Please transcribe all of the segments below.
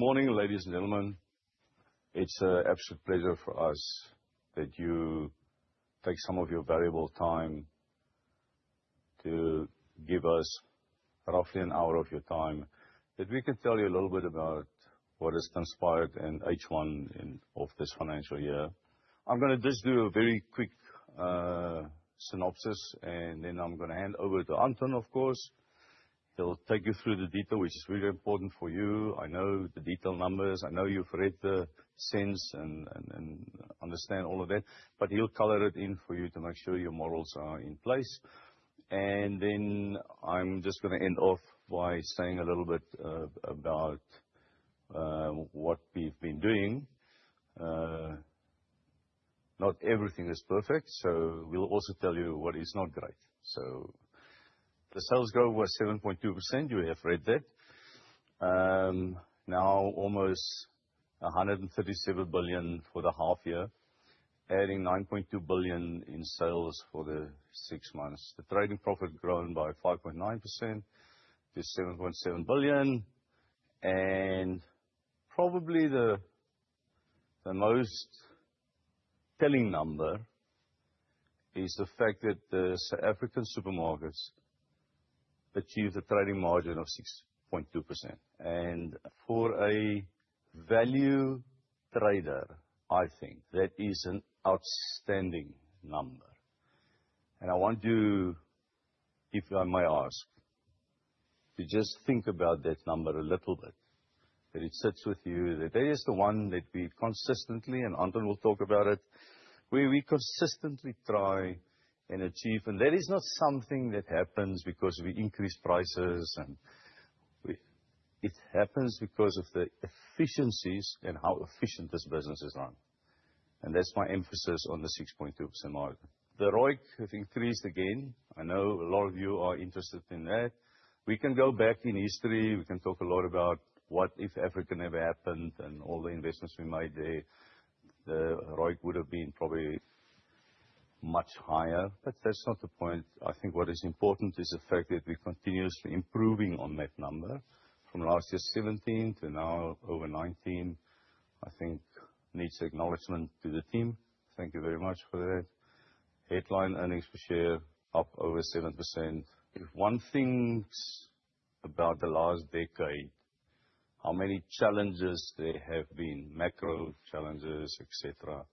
Good morning, ladies and gentlemen. It's an absolute pleasure for us that you take some of your valuable time to give us roughly an hour of your time that we can tell you a little bit about what has transpired in H1 in, of this financial year. I'm gonna just do a very quick synopsis, then I'm gonna hand over to Anton, of course. He'll take you through the detail, which is really important for you. I know the detail numbers, I know you've read the SENS and, and understand all of that, he'll color it in for you to make sure your morals are in place. Then I'm just gonna end off by saying a little bit about what we've been doing. Not everything is perfect, we'll also tell you what is not great. The sales growth was 7.2%, you have read that. Now almost 137 billion for the half year, adding 9.2 billion in sales for the six months. The trading profit grown by 5.9% to 7.7 billion. Probably the most telling number is the fact that the South African supermarkets achieved a trading margin of 6.2%. For a value trader, I think that is an outstanding number. I want you, if I may ask, to just think about that number a little bit, that it sits with you. That is the one that we've consistently, and Anton will talk about it, we consistently try and achieve. That is not something that happens because we increase prices and we... It happens because of the efficiencies and how efficient this business is run. That's my emphasis on the 6.2% margin. The ROIC have increased again. I know a lot of you are interested in that. We can go back in history, we can talk a lot about what if Africa never happened and all the investments we made there. The ROIC would've been probably much higher, but that's not the point. I think what is important is the fact that we're continuously improving on that number from last year's 17 to now over 19, I think needs acknowledgement to the team. Thank you very much for that. Headline earnings per share up over 7%. If one thinks about the last decade, how many challenges there have been, macro challenges, et cetera,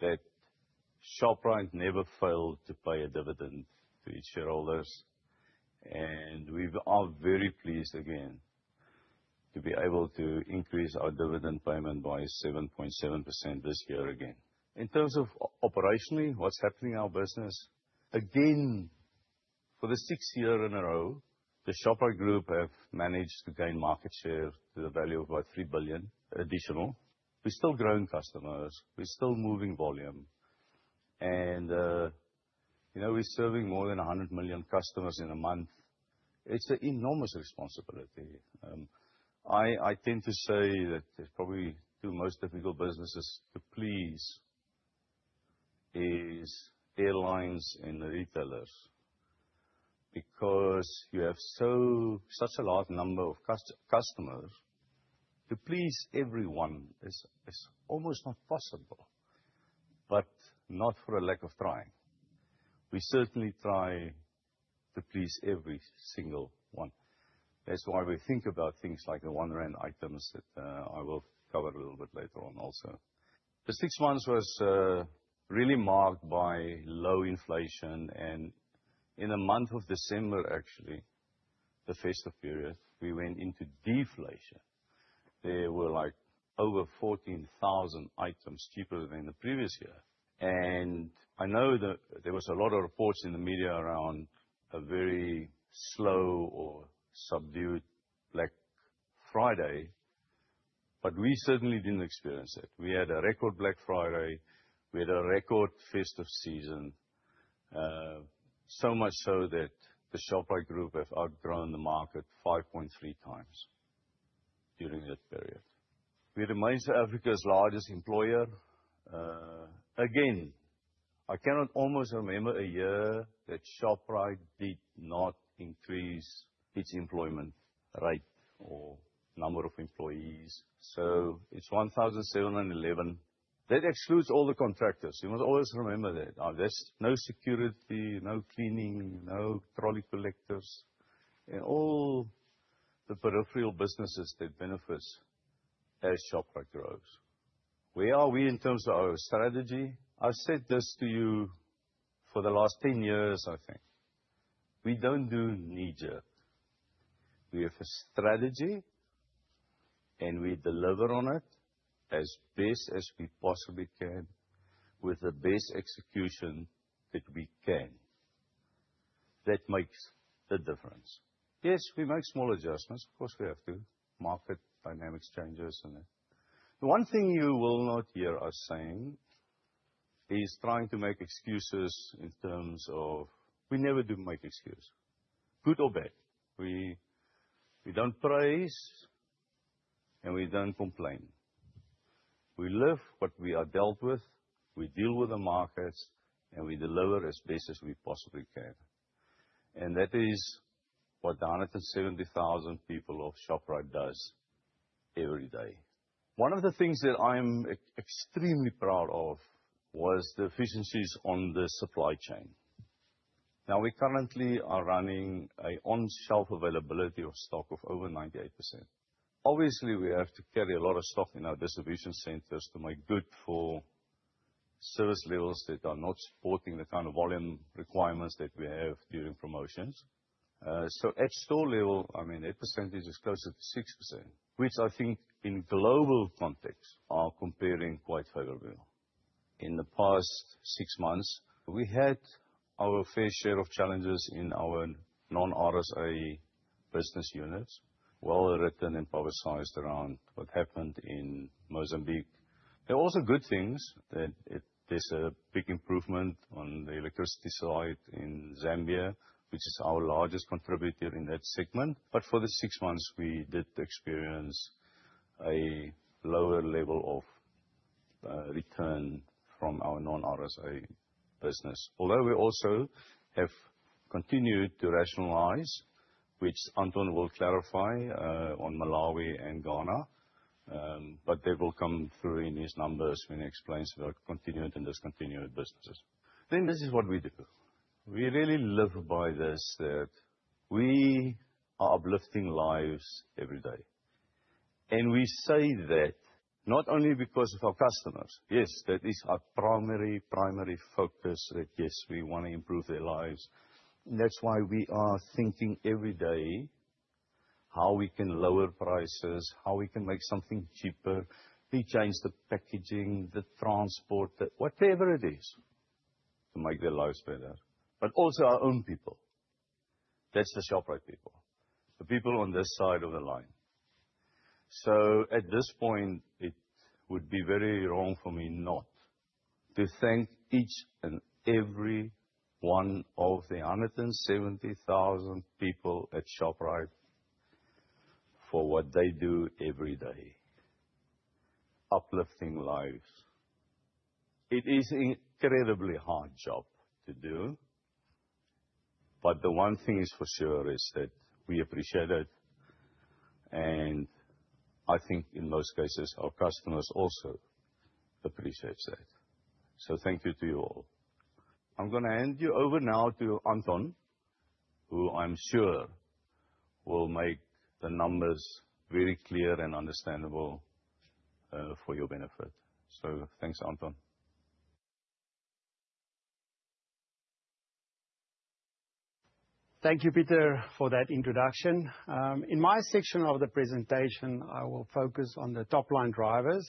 that Shoprite never failed to pay a dividend to its shareholders. We are very pleased again to be able to increase our dividend payment by 7.7% this year again. In terms of operationally, what's happening in our business, again, for the sixth year in a row, the Shoprite Group have managed to gain market share to the value of about 3 billion additional. We're still growing customers, we're still moving volume and, you know, we're serving more than 100 million customers in a month. It's an enormous responsibility. I tend to say that there's probably two most difficult businesses to please is airlines and retailers, because you have such a large number of customers, to please everyone is almost not possible, but not for a lack of trying. We certainly try to please every single one. That's why we think about things like the ZAR 1 items that I will cover a little bit later on also. The six months was really marked by low inflation and in the month of December, actually the festive period, we went into deflation. There were like over 14,000 items cheaper than the previous year. I know that there was a lot of reports in the media around a very slow or subdued Black Friday, but we certainly didn't experience it. We had a record Black Friday, we had a record festive season. Much so that the Shoprite Group have outgrown the market 5.3x during that period. We remain South Africa's largest employer. Again, I cannot almost remember a year that Shoprite did not increase its employment rate or number of employees. It's 1,711. That excludes all the contractors. You must always remember that. There's no security, no cleaning, no trolley collectors, and all the peripheral businesses that benefits as Shoprite grows. Where are we in terms of our strategy? I've said this to you for the last 10 years I think. We don't do knee-jerk. We have a strategy and we deliver on it as best as we possibly can with the best execution that we can. That makes the difference. Yes, we make small adjustments. Of course we have to. Market dynamics changes. The one thing you will not hear us saying is trying to make excuses in terms of. We never do make excuse, good or bad. We don't praise and we don't complain. We live what we are dealt with, we deal with the markets, and we deliver as best as we possibly can. That is what the 170,000 people of Shoprite does every day. One of the things that I'm extremely proud of was the efficiencies on the supply chain. Now, we currently are running a on-shelf availability of stock of over 98%. Obviously, we have to carry a lot of stock in our distribution centers to make good for service levels that are not supporting the kind of volume requirements that we have during promotions. So at store level, I mean, that percentage is closer to 6%, which I think in global context are comparing quite favorably. In the past six months, we had our fair share of challenges in our non-RSA business units, well written and publicized around what happened in Mozambique. There are also good things, that there's a big improvement on the electricity side in Zambia, which is our largest contributor in that segment. For the six months we did experience a lower level of return from our non-RSA business. Although we also have continued to rationalize, which Anton will clarify, on Malawi and Ghana, but they will come through in his numbers when he explains the continued and discontinued businesses. This is what we do. We really live by this, that we are uplifting lives every day. We say that not only because of our customers. Yes, that is our primary focus, that, yes, we wanna improve their lives. That's why we are thinking every day how we can lower prices, how we can make something cheaper. We change the packaging, the transport, the whatever it is to make their lives better. Also our own people. That's the Shoprite people, the people on this side of the line. At this point, it would be very wrong for me not to thank each and every one of the 170,000 people at Shoprite for what they do every day, uplifting lives. It is incredibly hard job to do, but the one thing is for sure is that we appreciate it, and I think in most cases, our customers also appreciate that. Thank you to you all. I'm gonna hand you over now to Anton, who I'm sure will make the numbers very clear and understandable for your benefit. Thanks, Anton. Thank you, Pieter, for that introduction. In my section of the presentation, I will focus on the top-line drivers,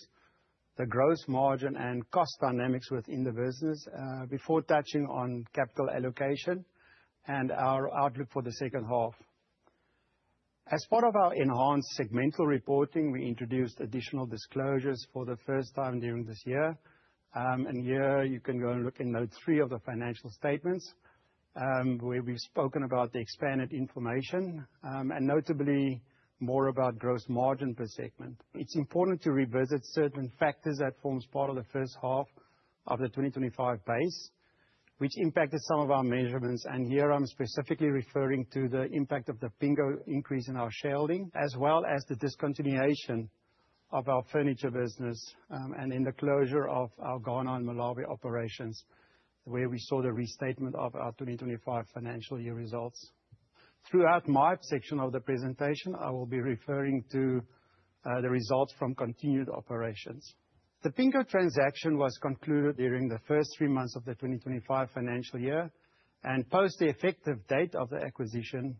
the gross margin and cost dynamics within the business, before touching on capital allocation and our outlook for the second half. As part of our enhanced segmental reporting, we introduced additional disclosures for the first time during this year. Here you can go and look in note three of the financial statements, where we've spoken about the expanded information, and notably more about gross margin per segment. It's important to revisit certain factors that forms part of the first half of the 2025 base, which impacted some of our measurements. Here I'm specifically referring to the impact of the Pingo increase in our sharing, as well as the discontinuation of our furniture business, and in the closure of our Ghana and Malawi operations, the way we saw the restatement of our 2025 financial year results. Throughout my section of the presentation, I will be referring to the results from continued operations. The Pingo transaction was concluded during the first three months of the 2025 financial year. Post the effective date of the acquisition,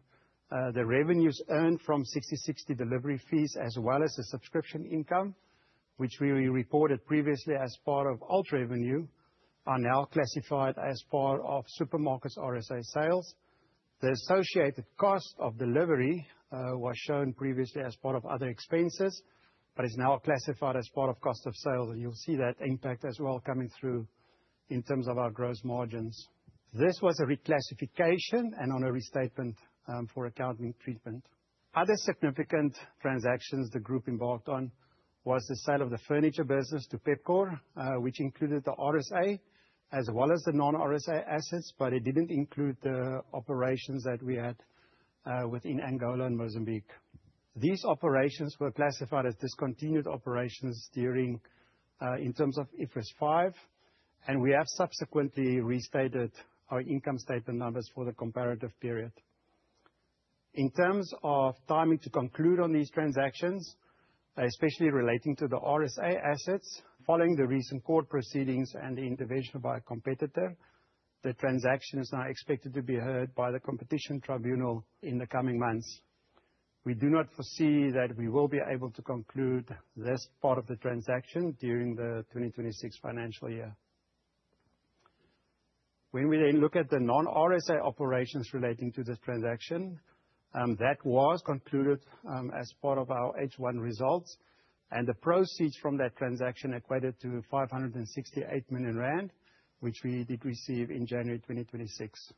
the revenues earned from Sixty60 delivery fees as well as the subscription income, which we reported previously as part of Alt revenue, are now classified as part of supermarkets' RSA sales. The associated cost of delivery was shown previously as part of other expenses, but is now classified as part of cost of sales. You'll see that impact as well coming through in terms of our gross margins. This was a reclassification and on a restatement for accounting treatment. Other significant transactions the group embarked on was the sale of the furniture business to Pepkor, which included the RSA as well as the non-RSA assets, but it didn't include the operations that we had within Angola and Mozambique. These operations were classified as discontinued operations during in terms of IFRS 5, and we have subsequently restated our income statement numbers for the comparative period. In terms of timing to conclude on these transactions, especially relating to the RSA assets, following the recent court proceedings and the intervention by a competitor, the transaction is now expected to be heard by the Competition Tribunal in the coming months. We do not foresee that we will be able to conclude this part of the transaction during the 2026 financial year. We then look at the non-RSA operations relating to this transaction, that was concluded as part of our H1 results, and the proceeds from that transaction equated to 568 million rand, which we did receive in January 2026.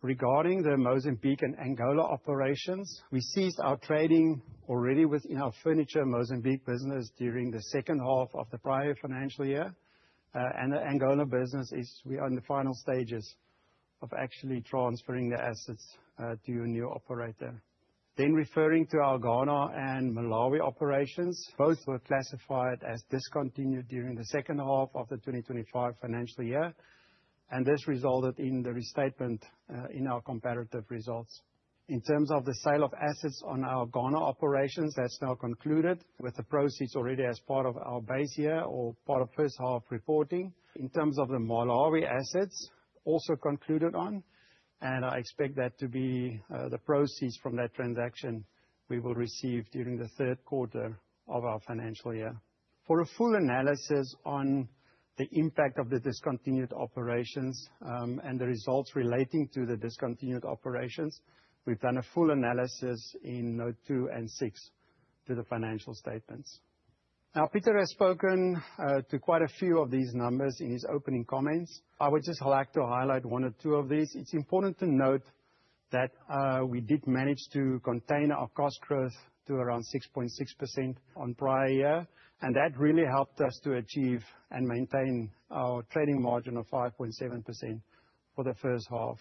Regarding the Mozambique and Angola operations, we ceased our trading already within our furniture Mozambique business during the second half of the prior financial year. The Angola business is, we are in the final stages of actually transferring the assets to a new operator. Referring to our Ghana and Malawi operations, both were classified as discontinued during the second half of the 2025 financial year, and this resulted in the restatement in our comparative results. In terms of the sale of assets on our Ghana operations, that's now concluded with the proceeds already as part of our base year or part of first half reporting. In terms of the Malawi assets, also concluded on, I expect that to be the proceeds from that transaction we will receive during the third quarter of our financial year. For a full analysis on the impact of the discontinued operations, and the results relating to the discontinued operations, we've done a full analysis in note two and six to the financial statements. Pieter has spoken to quite a few of these numbers in his opening comments. I would just like to highlight one or two of these. It's important to note that we did manage to contain our cost growth to around 6.6% on prior year, and that really helped us to achieve and maintain our trading margin of 5.7% for the first half.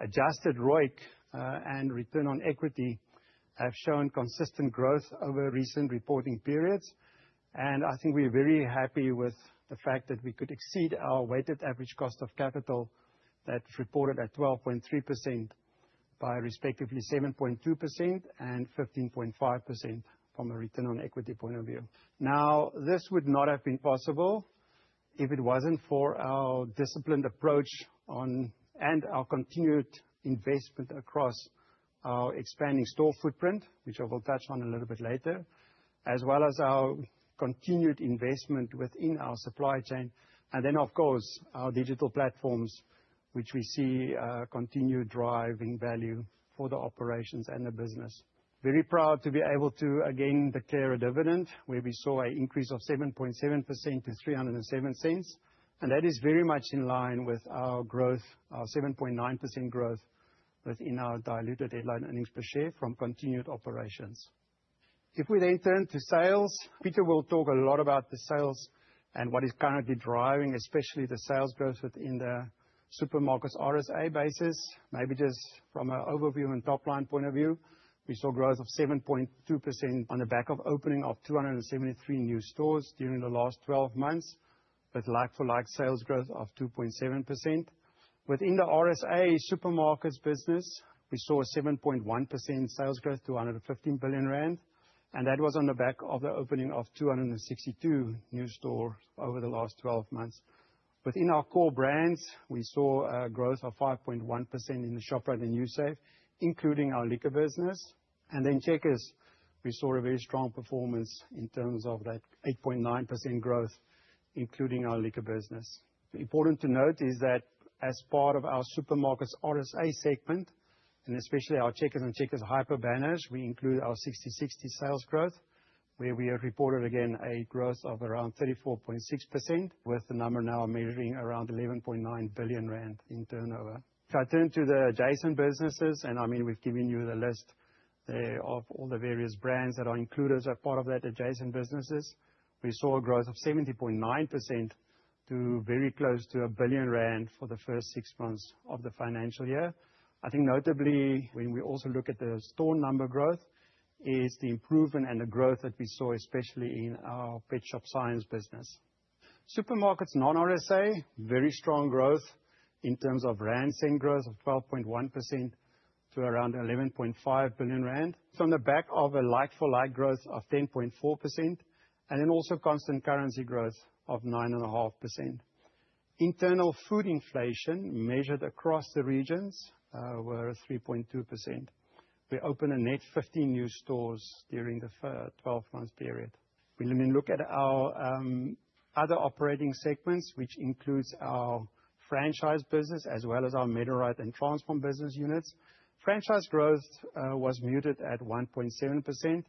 Adjusted ROIC and return on equity have shown consistent growth over recent reporting periods. I think we're very happy with the fact that we could exceed our weighted average cost of capital that's reported at 12.3% by respectively 7.2% and 15.5% from a return on equity point of view. This would not have been possible if it wasn't for our disciplined approach and our continued investment across our expanding store footprint, which I will touch on a little bit later, as well as our continued investment within our supply chain. Of course, our digital platforms, which we see continue driving value for the operations and the business. Very proud to be able to, again, declare a dividend where we saw an increase of 7.7% to 3.07. That is very much in line with our growth, our 7.9% growth within our diluted earnings per share from continued operations. We then turn to sales, Pieter will talk a lot about the sales and what is currently driving, especially the sales growth within the supermarkets RSA bases. Just from an overview and top line point of view, we saw growth of 7.2% on the back of opening of 273 new stores during the last 12 months, with like-for-like sales growth of 2.7%. Within the RSA supermarkets business, we saw a 7.1% sales growth to 115 billion rand, and that was on the back of the opening of 262 new stores over the last 12 months. Within our core brands, we saw a growth of 5.1% in the Shoprite and Usave, including our liquor business. Checkers, we saw a very strong performance in terms of that 8.9% growth, including our liquor business. Important to note is that as part of our supermarkets RSA segment, and especially our Checkers and Checkers Hyper banners, we include our Sixty60 sales growth, where we have reported, again, a growth of around 34.6%, with the number now measuring around 11.9 billion rand in turnover. I mean, we've given you the list there of all the various brands that are included as part of that adjacent businesses, we saw a growth of 70.9% to very close to 1 billion rand for the first six months of the financial year. I think notably, when we also look at the store number growth, is the improvement and the growth that we saw, especially in our Petshop Science business. Supermarkets non-RSA, very strong growth in terms of rand same growth of 12.1% to around 11.5 billion rand. It's on the back of a like-for-like growth of 10.4% and then also constant currency growth of 9.5%. Internal food inflation measured across the regions, were at 3.2%. We opened a net 15 new stores during the 12 months period. When we look at our other operating segments, which includes our franchise business as well as our Medirite and Transpharm business units, franchise growth was muted at 1.7%.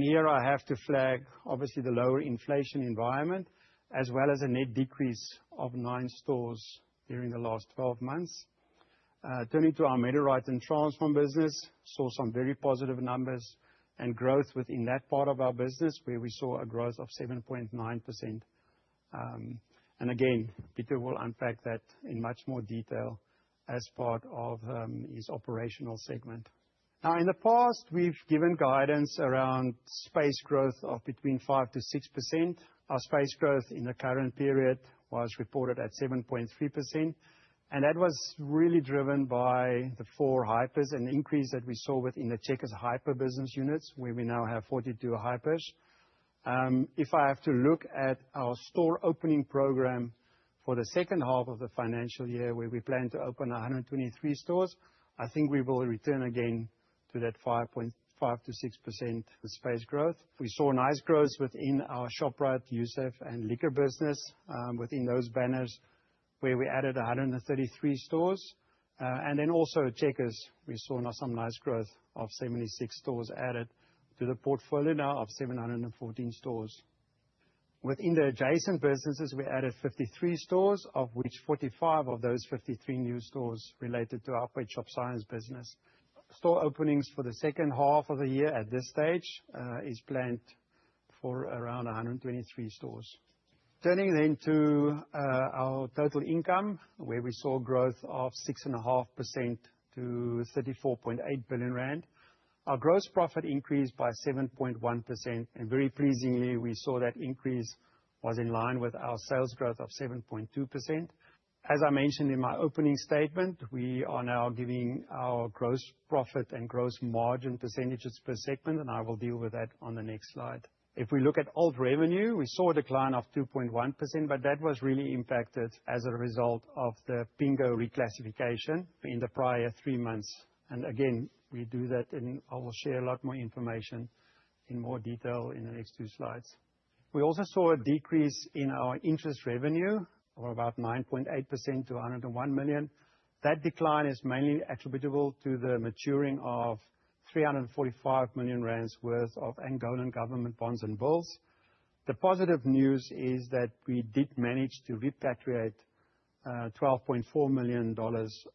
Here I have to flag, obviously, the lower inflation environment as well as a net decrease of nine stores during the last 12 months. Turning to our Medirite and Transpharm business, saw some very positive numbers and growth within that part of our business, where we saw a growth of 7.9%. Again, Pieter will unpack that in much more detail as part of his operational segment. In the past, we've given guidance around space growth of between 5%-6%. Our space growth in the current period was reported at 7.3%, that was really driven by the four hypers and the increase that we saw within the Checkers Hyper business units, where we now have 42 hypers. If I have to look at our store opening program for the second half of the financial year, where we plan to open 123 stores, I think we will return again to that 5.5%-6% space growth. We saw nice growth within our Shoprite, Usave, and liquor business, within those banners, where we added 133 stores. Also Checkers, we saw now some nice growth of 76 stores added to the portfolio now of 714 stores. Within the adjacent businesses, we added 53 stores, of which 45 of those 53 new stores related to our Petshop Science business. Store openings for the second half of the year at this stage is planned for around 123 stores. Turning to our total income, where we saw growth of 6.5% to 34.8 billion rand. Our gross profit increased by 7.1%, very pleasingly, we saw that increase was in line with our sales growth of 7.2%. As I mentioned in my opening statement, we are now giving our gross profit and gross margin percentages per segment. I will deal with that on the next slide. If we look at Alternative revenue, we saw a decline of 2.1%, that was really impacted as a result of the Pingo reclassification in the prior three months. Again, we do that, and I will share a lot more information in more detail in the next two slides. We also saw a decrease in our interest revenue of about 9.8% to 101 million. That decline is mainly attributable to the maturing of 345 million rand worth of Angolan government bonds and bills. The positive news is that we did manage to repatriate $12.4 million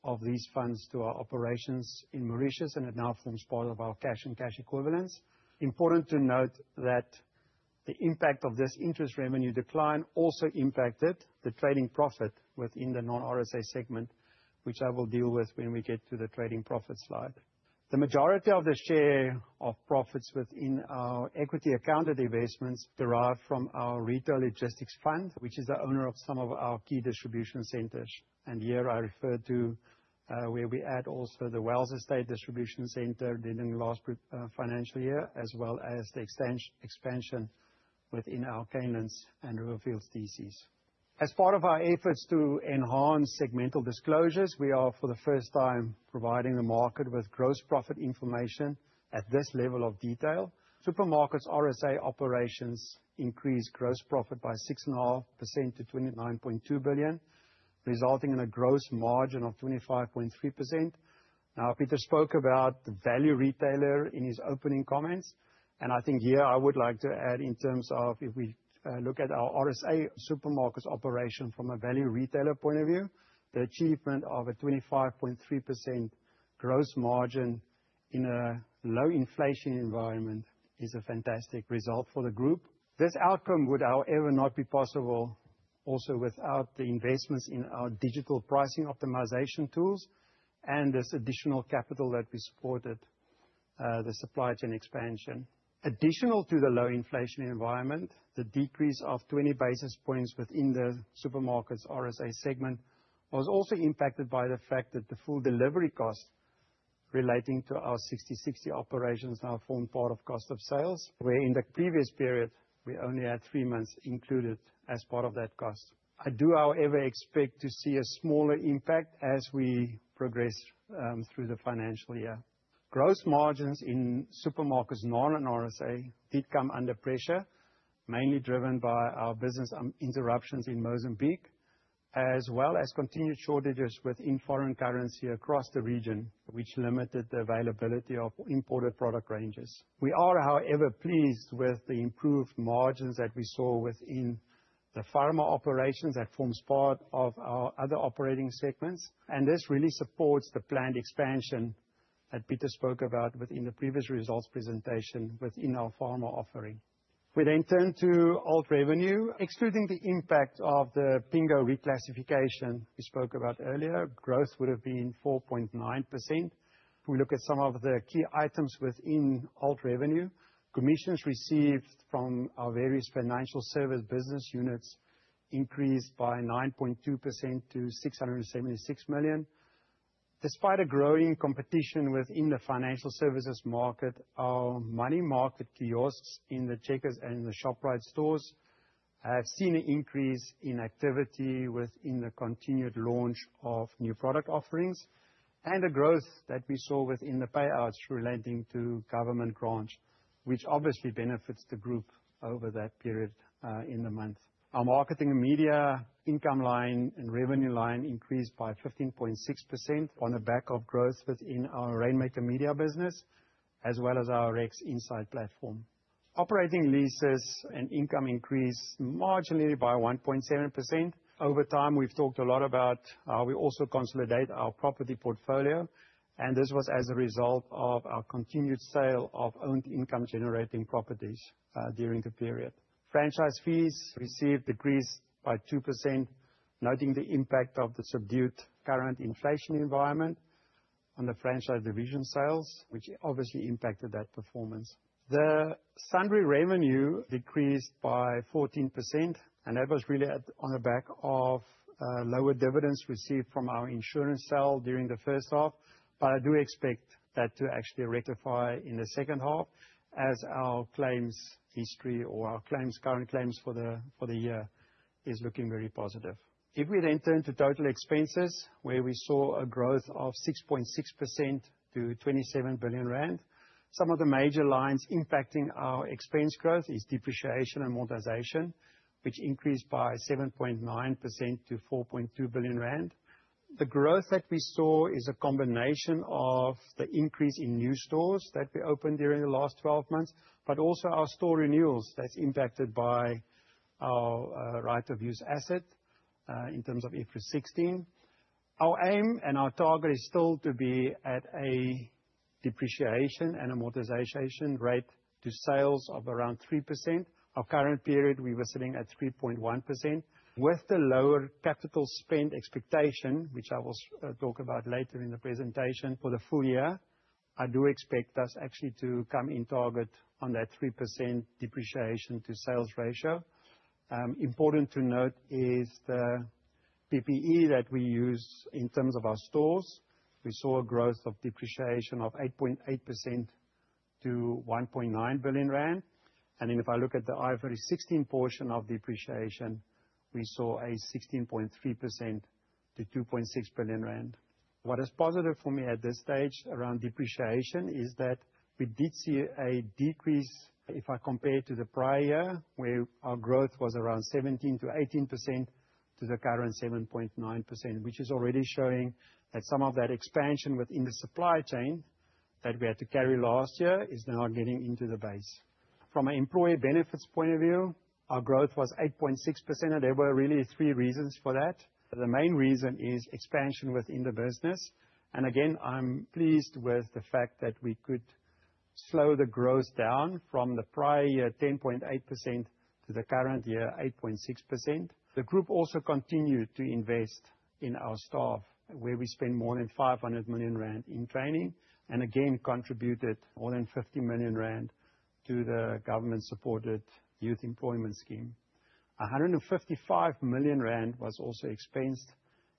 of these funds to our operations in Mauritius, it now forms part of our cash and cash equivalents. Important to note that the impact of this interest revenue decline also impacted the trading profit within the non-RSA segment, which I will deal with when we get to the trading profit slide. The majority of the share of profits within our equity accounted investments derive from our Retail Logistics Fund, which is the owner of some of our key distribution centers. Here, I refer to where we add also the Wells Estate Distribution Center during the last pre-financial year, as well as the expansion within our Canelands and Riverfields theses. As part of our efforts to enhance segmental disclosures, we are, for the first time, providing the market with gross profit information at this level of detail. Supermarkets RSA operations increased gross profit by 6.5% to 29.2 billion, resulting in a gross margin of 25.3%. Pieter spoke about the value retailer in his opening comments, and I think here I would like to add in terms of if we look at our RSA supermarkets operation from a value retailer point of view, the achievement of a 25.3% gross margin in a low inflation environment is a fantastic result for the group. This outcome would, however, not be possible also without the investments in our digital pricing optimization tools and this additional capital that we supported the supply chain expansion. Additional to the low inflation environment, the decrease of 20 basis points within the supermarkets RSA segment was also impacted by the fact that the full delivery cost relating to our Sixty60 operations now form part of cost of sales, where in the previous period, we only had three months included as part of that cost. I do, however, expect to see a smaller impact as we progress, through the financial year. Gross margins in supermarkets non-RSA did come under pressure, mainly driven by our business, interruptions in Mozambique, as well as continued shortages within foreign currency across the region, which limited the availability of imported product ranges. We are, however, pleased with the improved margins that we saw within the pharma operations that forms part of our other operating segments. This really supports the planned expansion that Pieter spoke about within the previous results presentation within our pharma offering. We turn to Alternative revenue. Excluding the impact of the Pingo reclassification we spoke about earlier, growth would have been 4.9%. If we look at some of the key items within Alternative revenue, commissions received from our various financial service business units increased by 9.2% to 676 million. Despite a growing competition within the financial services market, our Money Market kiosks in the Checkers and the Shoprite stores have seen an increase in activity within the continued launch of new product offerings and the growth that we saw within the payouts relating to government grants, which obviously benefits the group over that period in the month. Our marketing and media income line and revenue line increased by 15.6% on the back of growth within our Rainmaker Media business, as well as our Rex Insight platform. Operating leases and income increased marginally by 1.7%. Over time, we've talked a lot about how we also consolidate our property portfolio, and this was as a result of our continued sale of owned income-generating properties during the period. Franchise fees received decreased by 2%, noting the impact of the subdued current inflation environment on the franchise division sales, which obviously impacted that performance. The sundry revenue decreased by 14%, and that was really on the back of lower dividends received from our insurance sale during the first half, but I do expect that to actually rectify in the second half as our claims history or our claims, current claims for the year is looking very positive. We turn to total expenses, where we saw a growth of 6.6% to 27 billion rand, some of the major lines impacting our expense growth is Depreciation and Amortization, which increased by 7.9% to 4.2 billion rand. The growth that we saw is a combination of the increase in new stores that we opened during the last 12 months, also our store renewals that's impacted by our right-of-use asset in terms of IFRS 16. Our aim and our target is still to be at a Depreciation and Amortization rate to sales of around 3%. Our current period, we were sitting at 3.1%. With the lower capital spend expectation, which I will talk about later in the presentation for the full year, I do expect us actually to come in target on that 3% depreciation to sales ratio. Important to note is the PPE that we use in terms of our stores. We saw a growth of depreciation of 8.8% to 1.9 billion rand. If I look at the IFRS 16 portion of depreciation, we saw a 16.3% to 2.6 billion rand. What is positive for me at this stage around depreciation is that we did see a decrease if I compare to the prior where our growth was around 17%-18% to the current 7.9%, which is already showing that some of that expansion within the supply chain that we had to carry last year is now getting into the base. From an employee benefits point of view, our growth was 8.6%, and there were really three reasons for that. The main reason is expansion within the business. Again, I'm pleased with the fact that we could slow the growth down from the prior year, 10.8% to the current year, 8.6%. The group also continued to invest in our staff, where we spend more than 500 million rand in training, and again, contributed more than 50 million rand to the government-supported youth employment scheme. 155 million rand was also expensed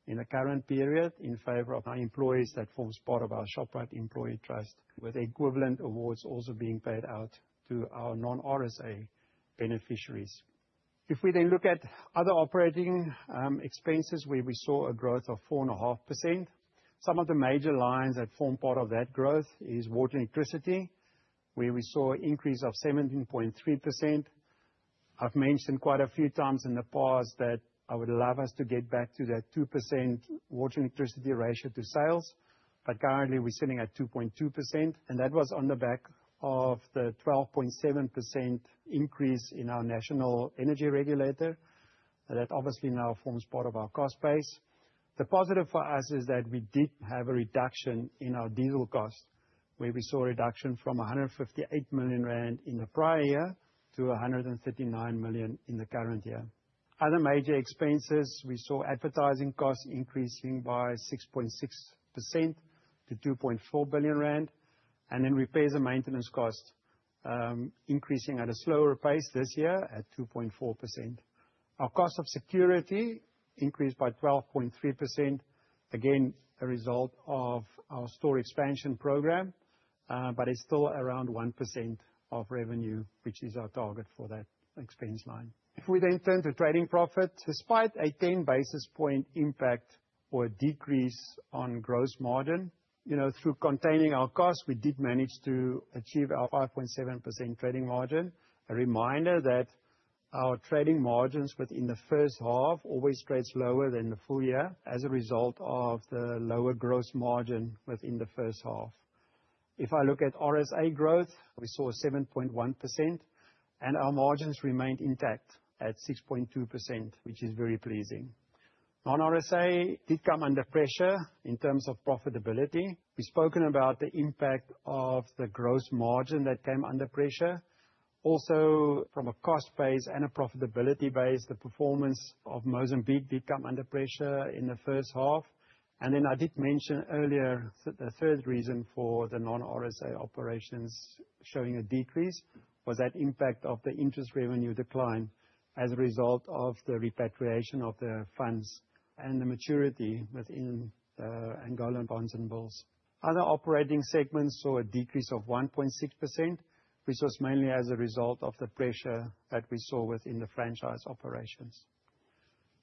in the current period in favor of our employees that forms part of our Shoprite Employee Trust, with equivalent awards also being paid out to our non-RSA beneficiaries. We look at other operating expenses where we saw a growth of 4.5%, some of the major lines that form part of that growth is water and electricity, where we saw increase of 17.3%. I've mentioned quite a few times in the past that I would allow us to get back to that 2% water and electricity ratio to sales. Currently, we're sitting at 2.2%, and that was on the back of the 12.7% increase in our national energy regulator. That obviously now forms part of our cost base. The positive for us is that we did have a reduction in our diesel cost, where we saw a reduction from 158 million rand in the prior year to 139 million in the current year. Other major expenses, we saw advertising costs increasing by 6.6% to 2.4 billion rand. Repairs and maintenance cost increasing at a slower pace this year at 2.4%. Our cost of security increased by 12.3%. Again, a result of our store expansion program, but it's still around 1% of revenue, which is our target for that expense line. If we turn to trading profit, despite a 10 basis point impact or a decrease on gross margin, you know, through containing our costs, we did manage to achieve our 5.7% trading margin. A reminder that our trading margins within the first half always trades lower than the full year as a result of the lower gross margin within the first half. If I look at RSA growth, we saw 7.1%, and our margins remained intact at 6.2%, which is very pleasing. Non-RSA did come under pressure in terms of profitability. We've spoken about the impact of the gross margin that came under pressure. Also, from a cost base and a profitability base, the performance of Mozambique did come under pressure in the first half. Then I did mention earlier the third reason for the non-RSA operations showing a decrease was that impact of the interest revenue decline as a result of the repatriation of the funds and the maturity within the Angolan bonds and bills. Other operating segments saw a decrease of 1.6%, which was mainly as a result of the pressure that we saw within the franchise operations.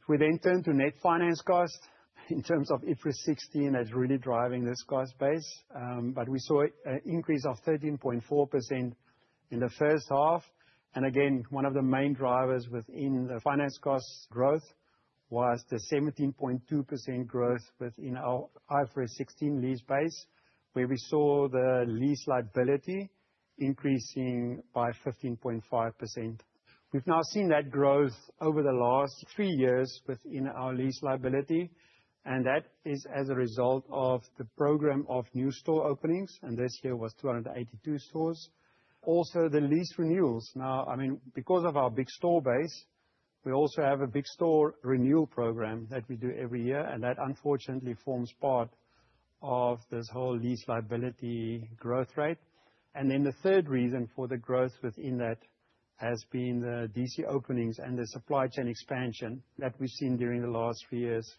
We then turn to net finance costs, in terms of IFRS 16, that's really driving this cost base. We saw an increase of 13.4% in the first half. Again, one of the main drivers within the finance costs growth was the 17.2% growth within our IFRS 16 lease base, where we saw the lease liability increasing by 15.5%. We've now seen that growth over the last three years within our lease liability, that is as a result of the program of new store openings, and this year was 282 stores. The lease renewals. I mean, because of our big store base, we also have a big store renewal program that we do every year, that, unfortunately, forms part of this whole lease liability growth rate. The third reason for the growth within that has been the DC openings and the supply chain expansion that we've seen during the last few years.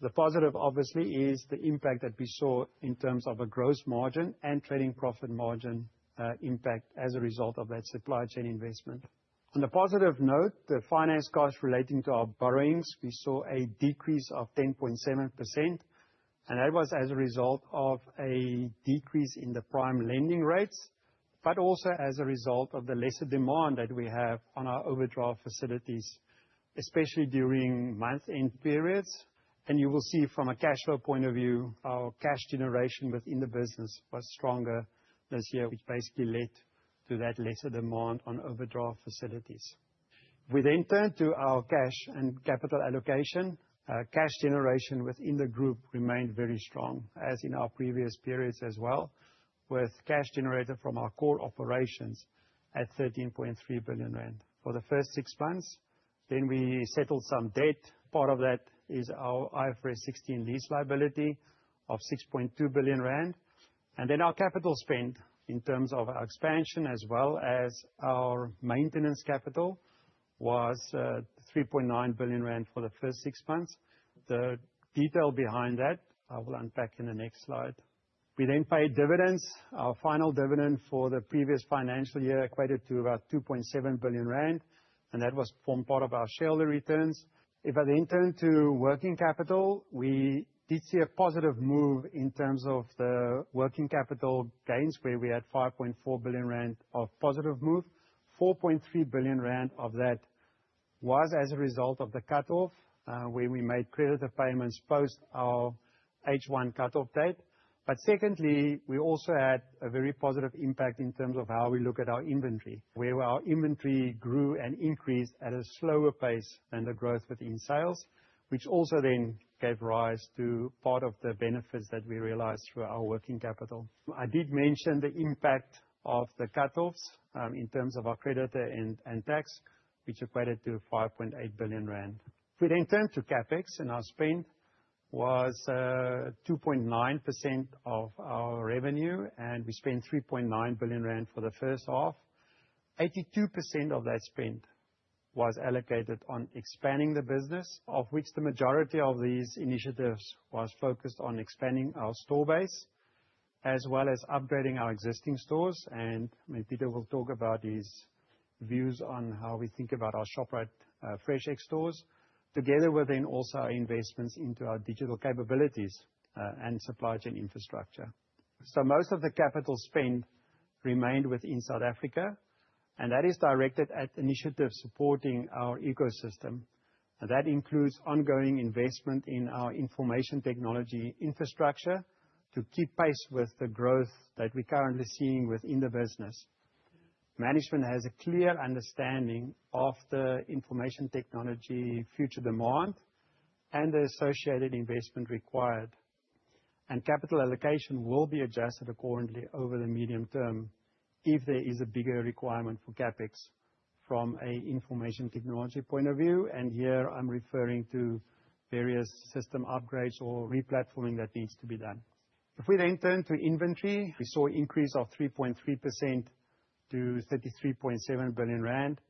The positive, obviously, is the impact that we saw in terms of a gross margin and trading profit margin, impact as a result of that supply chain investment. On a positive note, the finance costs relating to our borrowings, we saw a decrease of 10.7%, and that was as a result of a decrease in the prime lending rates, but also as a result of the lesser demand that we have on our overdraft facilities, especially during month-end periods. You will see from a cash flow point of view, our cash generation within the business was stronger this year, which basically led to that lesser demand on overdraft facilities. We turn to our cash and capital allocation. Cash generation within the group remained very strong, as in our previous periods as well, with cash generated from our core operations at 13.3 billion rand for the first six months. We settled some debt. Part of that is our IFRS 16 lease liability of 6.2 billion rand. Our capital spend, in terms of our expansion as well as our maintenance capital, was 3.9 billion rand for the first six months. The detail behind that, I will unpack in the next slide. We then paid dividends. Our final dividend for the previous financial year equated to about 2.7 billion rand, and that was from part of our shareholder returns. I then turn to working capital, we did see a positive move in terms of the working capital gains, where we had 5.4 billion rand of positive move. 4.3 billion rand of that was as a result of the cutoff, where we made creditor payments post our H1 cutoff date. Secondly, we also had a very positive impact in terms of how we look at our inventory, where our inventory grew and increased at a slower pace than the growth within sales, which also gave rise to part of the benefits that we realized through our working capital. I did mention the impact of the cutoffs, in terms of our creditor and tax, which equated to 5.8 billion rand. If we then turn to CapEx, and our spend was 2.9% of our revenue, and we spent 3.9 billion rand for the first half. 82% of that spend was allocated on expanding the business, of which the majority of these initiatives was focused on expanding our store base, as well as upgrading our existing stores. Maybe Pieter will talk about his views on how we think about our Shoprite FreshX stores, together with then also our investments into our digital capabilities and supply chain infrastructure. Most of the capital spend remained within South Africa, and that is directed at initiatives supporting our ecosystem. That includes ongoing investment in our information technology infrastructure to keep pace with the growth that we're currently seeing within the business. Management has a clear understanding of the information technology future demand and the associated investment required. Capital allocation will be adjusted accordingly over the medium term if there is a bigger requirement for CapEx from a information technology point of view, and here I'm referring to various system upgrades or replatforming that needs to be done. If we turn to inventory, we saw increase of 3.3% to 33.7 billion rand.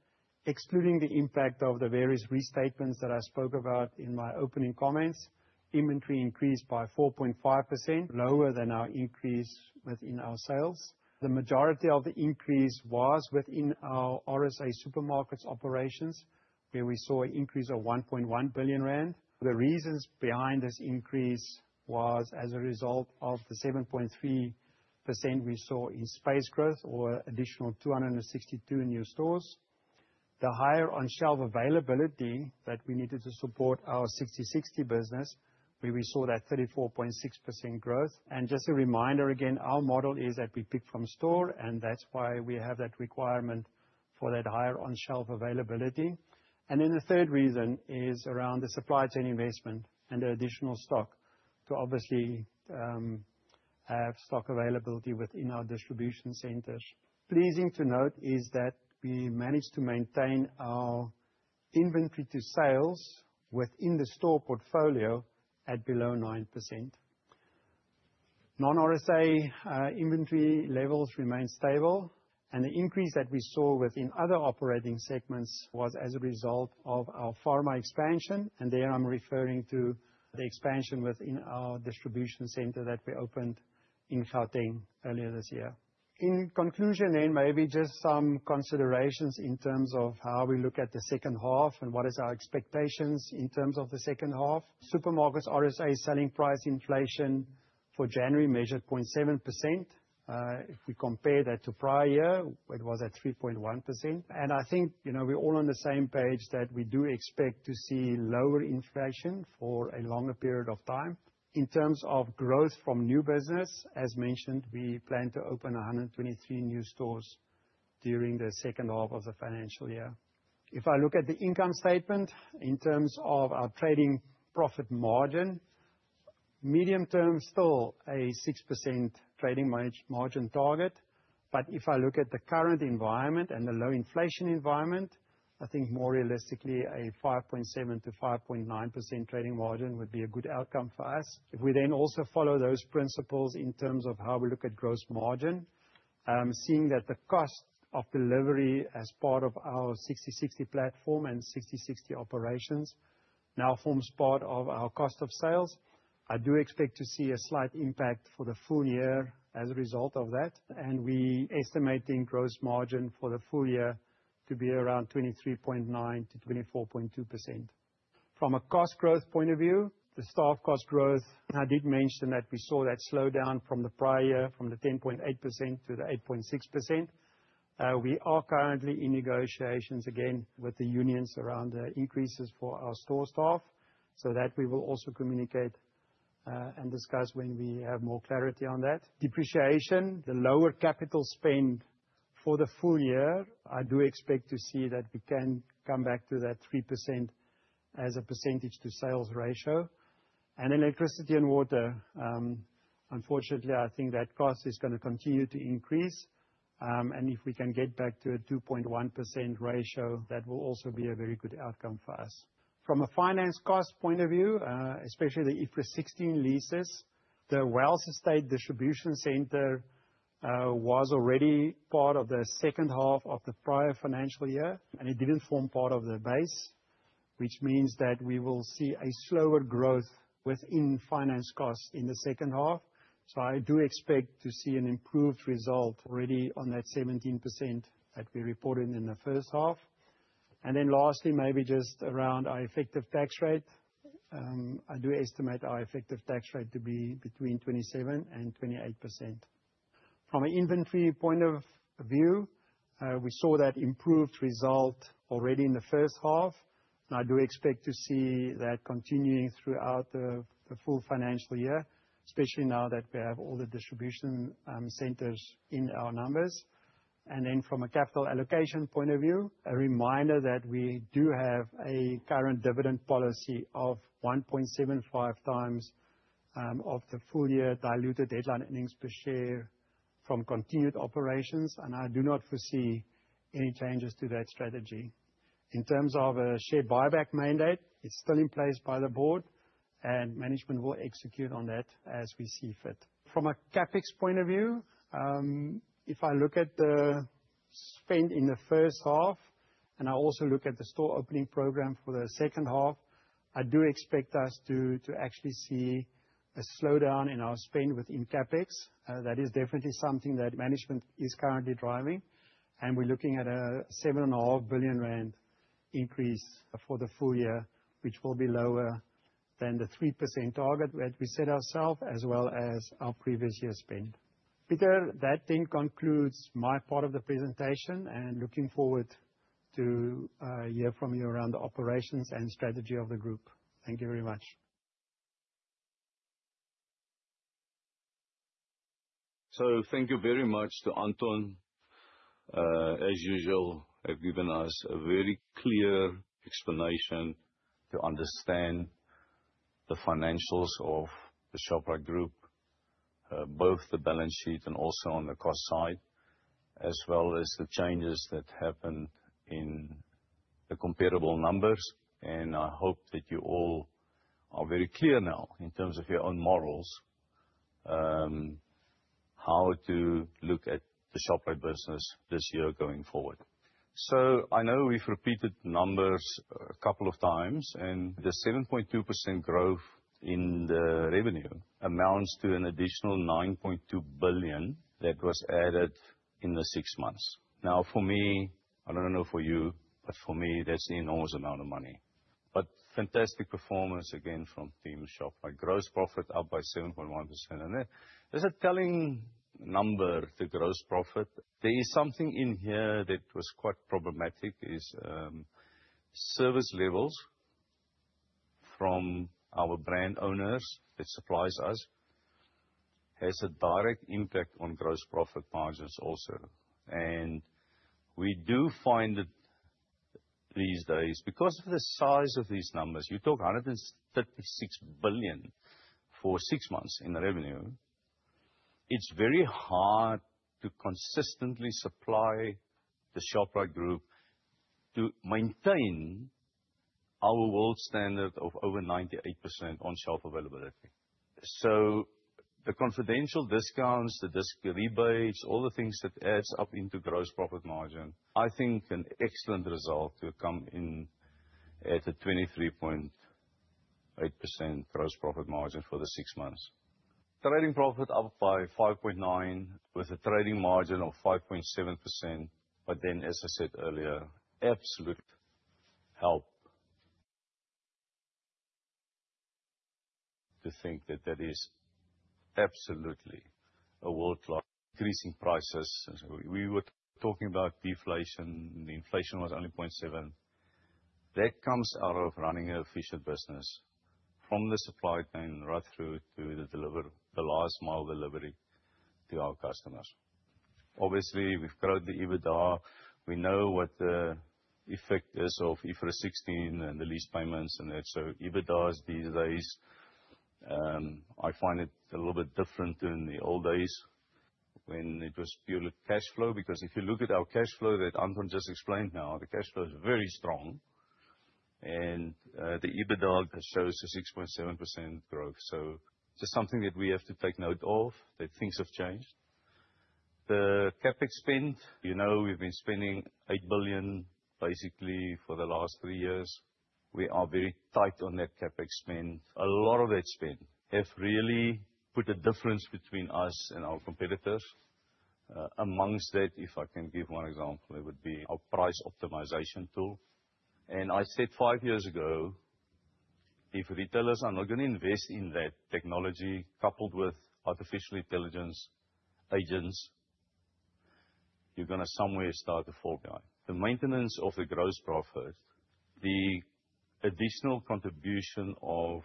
Excluding the impact of the various restatements that I spoke about in my opening comments, inventory increased by 4.5%, lower than our increase within our sales. The majority of the increase was within our RSA supermarkets operations, where we saw an increase of 1.1 billion rand. The reasons behind this increase was as a result of the 7.3% we saw in space growth or additional 262 new stores. The higher on-shelf availability that we needed to support our Sixty60 business, where we saw that 34.6% growth. Just a reminder, again, our model is that we pick from store, and that's why we have that requirement for that higher on-shelf availability. The third reason is around the supply chain investment and the additional stock to obviously, have stock availability within our distribution centers. Pleasing to note is that we managed to maintain our inventory to sales within the store portfolio at below 9%. Non-RSA inventory levels remain stable, and the increase that we saw within other operating segments was as a result of our pharma expansion, and there I'm referring to the expansion within our distribution center that we opened in Gauteng earlier this year. In conclusion, maybe just some considerations in terms of how we look at the second half and what is our expectations in terms of the second half. Supermarkets RSA selling price inflation for January measured 0.7%. If we compare that to prior year, it was at 3.1%. You know, we're all on the same page that we do expect to see lower inflation for a longer period of time. In terms of growth from new business, as mentioned, we plan to open 123 new stores during the second half of the financial year. If I look at the income statement in terms of our trading profit margin, medium term, still a 6% trading margin target. If I look at the current environment and the low inflation environment, I think more realistically a 5.7%-5.9% trading margin would be a good outcome for us. We also follow those principles in terms of how we look at gross margin, seeing that the cost of delivery as part of our Sixty60 platform and Sixty60 operations now forms part of our cost of sales. I do expect to see a slight impact for the full year as a result of that. We're estimating gross margin for the full year to be around 23.9%-24.2%. From a cost growth point of view, the staff cost growth, I did mention that we saw that slow down from the prior year, from the 10.8% to the 8.6%. We are currently in negotiations again with the unions around increases for our store staff, so that we will also communicate and discuss when we have more clarity on that. Depreciation, the lower capital spend for the full year, I do expect to see that we can come back to that 3% as a percentage to sales ratio. Electricity and water, unfortunately, I think that cost is gonna continue to increase, and if we can get back to a 2.1% ratio, that will also be a very good outcome for us. From a finance cost point of view, especially the IFRS 16 leases, the Wells Estate Distribution Center was already part of the second half of the prior financial year, and it didn't form part of the base, which means that we will see a slower growth within finance costs in the second half. I do expect to see an improved result already on that 17% that we reported in the first half. Lastly, maybe just around our effective tax rate, I do estimate our effective tax rate to be between 27% and 28%. From an inventory point of view, we saw that improved result already in the first half, and I do expect to see that continuing throughout the full financial year, especially now that we have all the distribution centers in our numbers. From a capital allocation point of view, a reminder that we do have a current dividend policy of 1.75 times of the full year diluted headline earnings per share from continued operations, I do not foresee any changes to that strategy. In terms of a share buyback mandate, it's still in place by the board. Management will execute on that as we see fit. From a CapEx point of view, if I look at the spend in the first half, I also look at the store opening program for the second half, I do expect us to actually see a slowdown in our spend within CapEx. That is definitely something that management is currently driving, and we're looking at a 7.5 billion rand increase for the full year, which will be lower than the 3% target that we set ourselves as well as our previous year spend. Pieter, that then concludes my part of the presentation. Looking forward to hear from you around the operations and strategy of the Group. Thank you very much. Thank you very much to Anton. As usual, have given us a very clear explanation to understand the financials of the Shoprite Group, both the balance sheet and also on the cost side, as well as the changes that happened in the comparable numbers. I hope that you all are very clear now in terms of your own morals, how to look at the Shoprite business this year going forward. I know we've repeated numbers a couple of times, and the 7.2% growth in the revenue amounts to an additional 9.2 billion that was added in the six months. For me, I don't know for you, but for me, that's an enormous amount of money. Fantastic performance again from Team Shoprite. Gross profit up by 7.1%. That is a telling number, the gross profit. There is something in here that was quite problematic, is, service levels from our brand owners that supplies us, has a direct impact on gross profit margins also. We do find that these days, because of the size of these numbers, you talk 136 billion for six months in revenue, it's very hard to consistently supply the Shoprite Group to maintain our world standard of over 98% on-shelf availability. The confidential discounts, the disc rebates, all the things that adds up into gross profit margin, I think an excellent result to come in at a 23.8% gross profit margin for the six months. Trading profit up by 5.9% with a trading margin of 5.7%. As I said earlier, absolute help to think that that is absolutely a world-class increasing prices. We were talking about deflation, the inflation was only 0.7%. That comes out of running an efficient business from the supply chain right through to the last-mile delivery to our customers. Obviously, we've grown the EBITDA. We know what the effect is of IFRS 16 and the lease payments and that. EBITDAs these days, I find it a little bit different than the old days when it was purely cash flow. If you look at our cash flow that Anton just explained now, the cash flow is very strong and the EBITDA shows a 6.7% growth. Just something that we have to take note of, that things have changed. The CapEx spend, you know, we've been spending 8 billion basically for the last three years. We are very tight on that CapEx spend. A lot of that spend have really put a difference between us and our competitors. Amongst that, if I can give one example, it would be our price optimization tool. I said five years ago, if retailers are not gonna invest in that technology, coupled with artificial intelligence agents, you're gonna somewhere start to fall down. The maintenance of the gross profit, the additional contribution of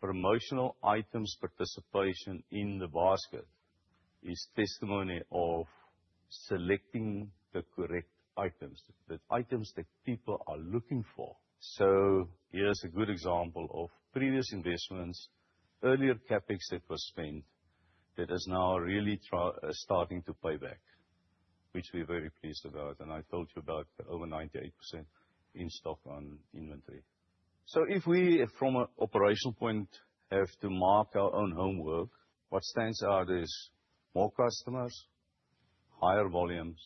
promotional items participation in the basket is testimony of selecting the correct items. The items that people are looking for. Here's a good example of previous investments, earlier CapEx that was spent, that is now really starting to pay back, which we're very pleased about. I told you about over 98% in stock on inventory. If we from an operational point have to mark our own homework, what stands out is more customers, higher volumes,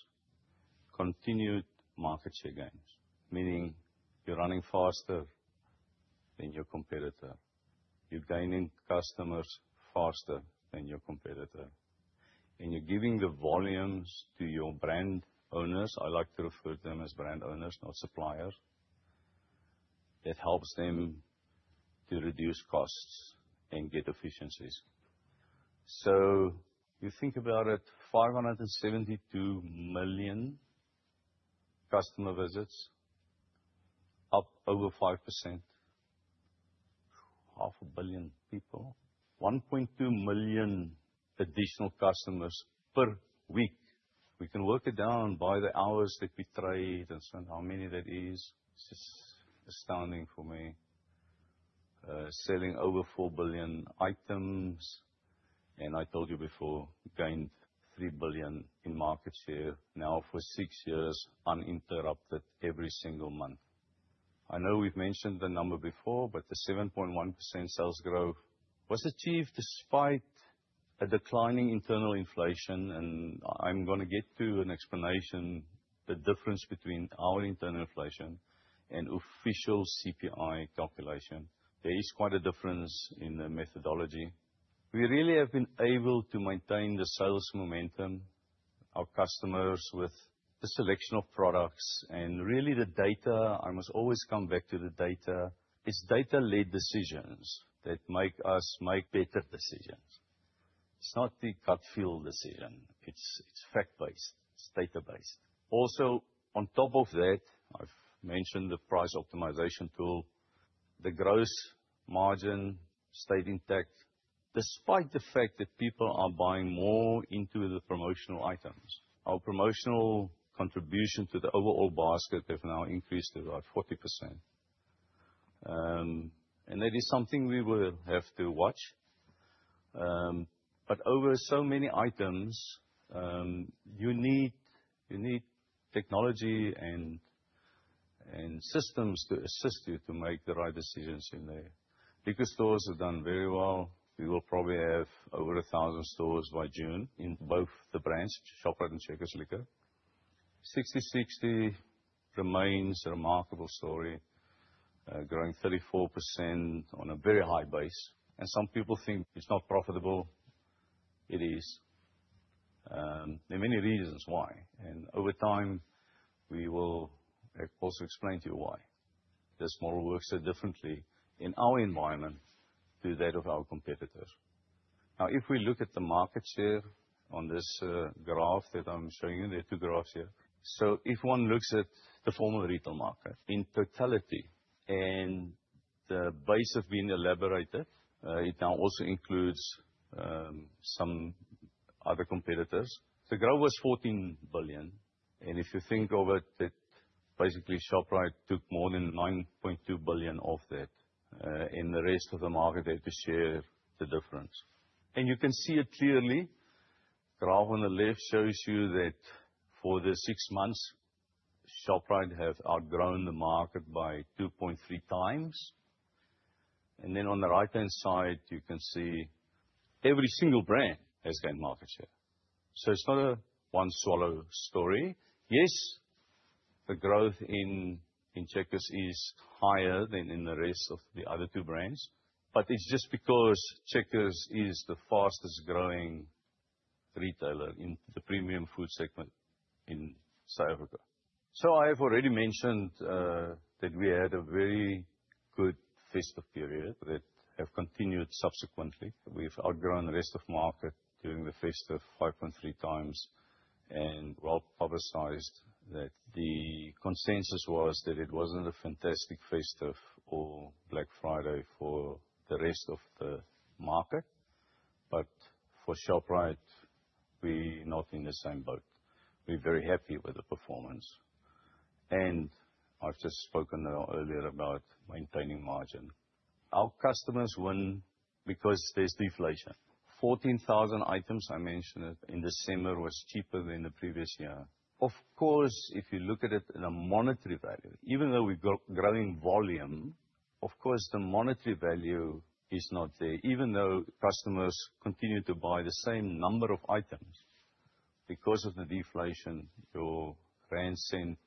continued market share gains. Meaning you're running faster than your competitor, you're gaining customers faster than your competitor, and you're giving the volumes to your brand owners. I like to refer to them as brand owners, not suppliers. That helps them to reduce costs and get efficiencies. You think about it, 572 million customer visits, up over 5%. Half a billion people. 1.2 million additional customers per week. We can work it down by the hours that we trade, how many that is. It's just astounding for me. Selling over 4 billion items, I told you before, gained 3 billion in market share now for six years uninterrupted every single month. I know we've mentioned the number before, but the 7.1% sales growth was achieved despite a declining internal inflation. I'm gonna get to an explanation, the difference between our internal inflation and official CPI calculation. There is quite a difference in the methodology. We really have been able to maintain the sales momentum, our customers with the selection of products and really the data. I must always come back to the data. It's data-led decisions that make us make better decisions. It's not the gut feel decision. It's, it's fact-based, it's data-based. Also, on top of that, I've mentioned the price optimization tool. The gross margin stayed intact despite the fact that people are buying more into the promotional items. Our promotional contribution to the overall basket has now increased to about 40%. That is something we will have to watch. Over so many items, you need technology and systems to assist you to make the right decisions in there. Liquor stores have done very well. We will probably have over 1,000 stores by June in both the brands, Shoprite and Checkers Liquor. Sixty60 remains a remarkable story, growing 34% on a very high base. Some people think it's not profitable. It is. There are many reasons why, over time, we will also explain to you why this model works so differently in our environment to that of our competitors. If we look at the market share on this graph that I'm showing you, there are two graphs here. If one looks at the formal retail market in totality and the base has been elaborated, it now also includes some other competitors. The growth was 14 billion. If you think of it, that basically Shoprite took more than 9.2 billion of that, and the rest of the market had to share the difference. You can see it clearly. Graph on the left shows you that for the six months, Shoprite has outgrown the market by 2.3x. On the right-hand side, you can see every single brand has gained market share. It's not a one swallow story. Yes, the growth in Checkers is higher than in the rest of the other two brands, but it's just because Checkers is the fastest growing retailer in the premium food segment in South Africa. I have already mentioned that we had a very good festive period that have continued subsequently. We've outgrown the rest of market during the festive 5.3x and well-publicized that the consensus was that it wasn't a fantastic festive or Black Friday for the rest of the market. For Shoprite, we're not in the same boat. We're very happy with the performance. I've just spoken earlier about maintaining margin. Our customers win because there's deflation. 14,000 items, I mentioned it, in December was cheaper than the previous year. Of course, if you look at it in a monetary value, even though we're growing volume, of course the monetary value is not there. Even though customers continue to buy the same number of items, because of the deflation, your rand cent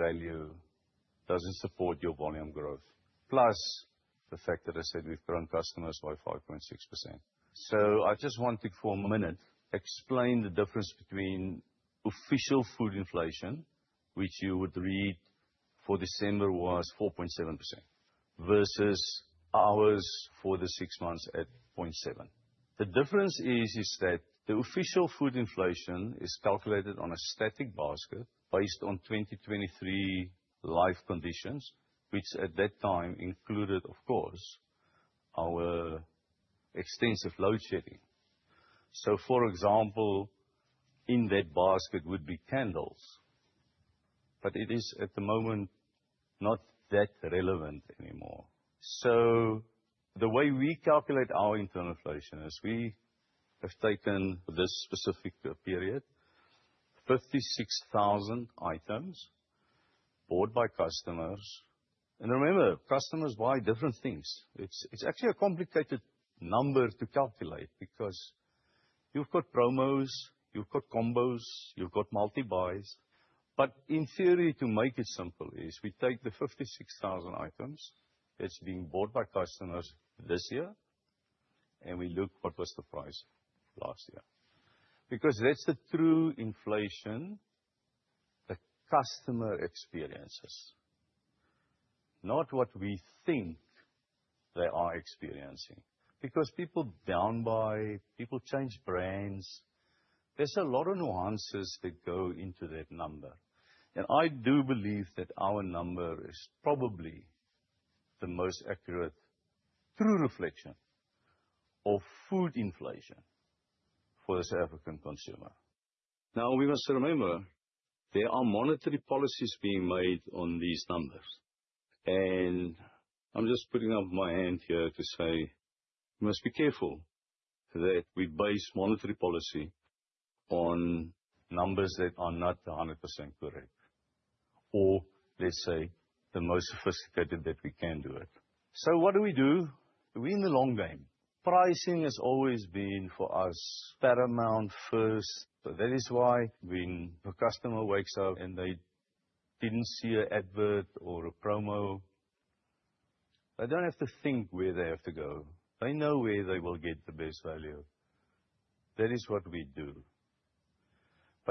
value doesn't support your volume growth. The fact that I said we've grown customers by 5.6%. I just wanted for a minute, explain the difference between official food inflation, which you would read for December was 4.7% versus ours for the six months at 0.7. The difference is that the official food inflation is calculated on a static basket based on 2023 life conditions, which at that time included, of course, our extensive load shedding. For example, in that basket would be candles. It is, at the moment, not that relevant anymore. The way we calculate our internal inflation is we have taken this specific period, 56,000 items bought by customers. Remember, customers buy different things. It's actually a complicated number to calculate because you've got promos, you've got combos, you've got multi-buys. In theory, to make it simple, we take the 56,000 items that's being bought by customers this year, and we look what was the price last year. That's the true inflation the customer experiences, not what we think they are experiencing. People down buy, people change brands. There's a lot of nuances that go into that number. I do believe that our number is probably the most accurate true reflection of food inflation for the South African consumer. We must remember, there are monetary policies being made on these numbers. I'm just putting up my hand here to say, we must be careful that we base monetary policy on numbers that are not 100% correct, or let's say the most sophisticated that we can do it. What do we do? We're in the long game. Pricing has always been for us paramount first. That is why when a customer wakes up and they didn't see an advert or a promo, they don't have to think where they have to go. They know where they will get the best value. That is what we do.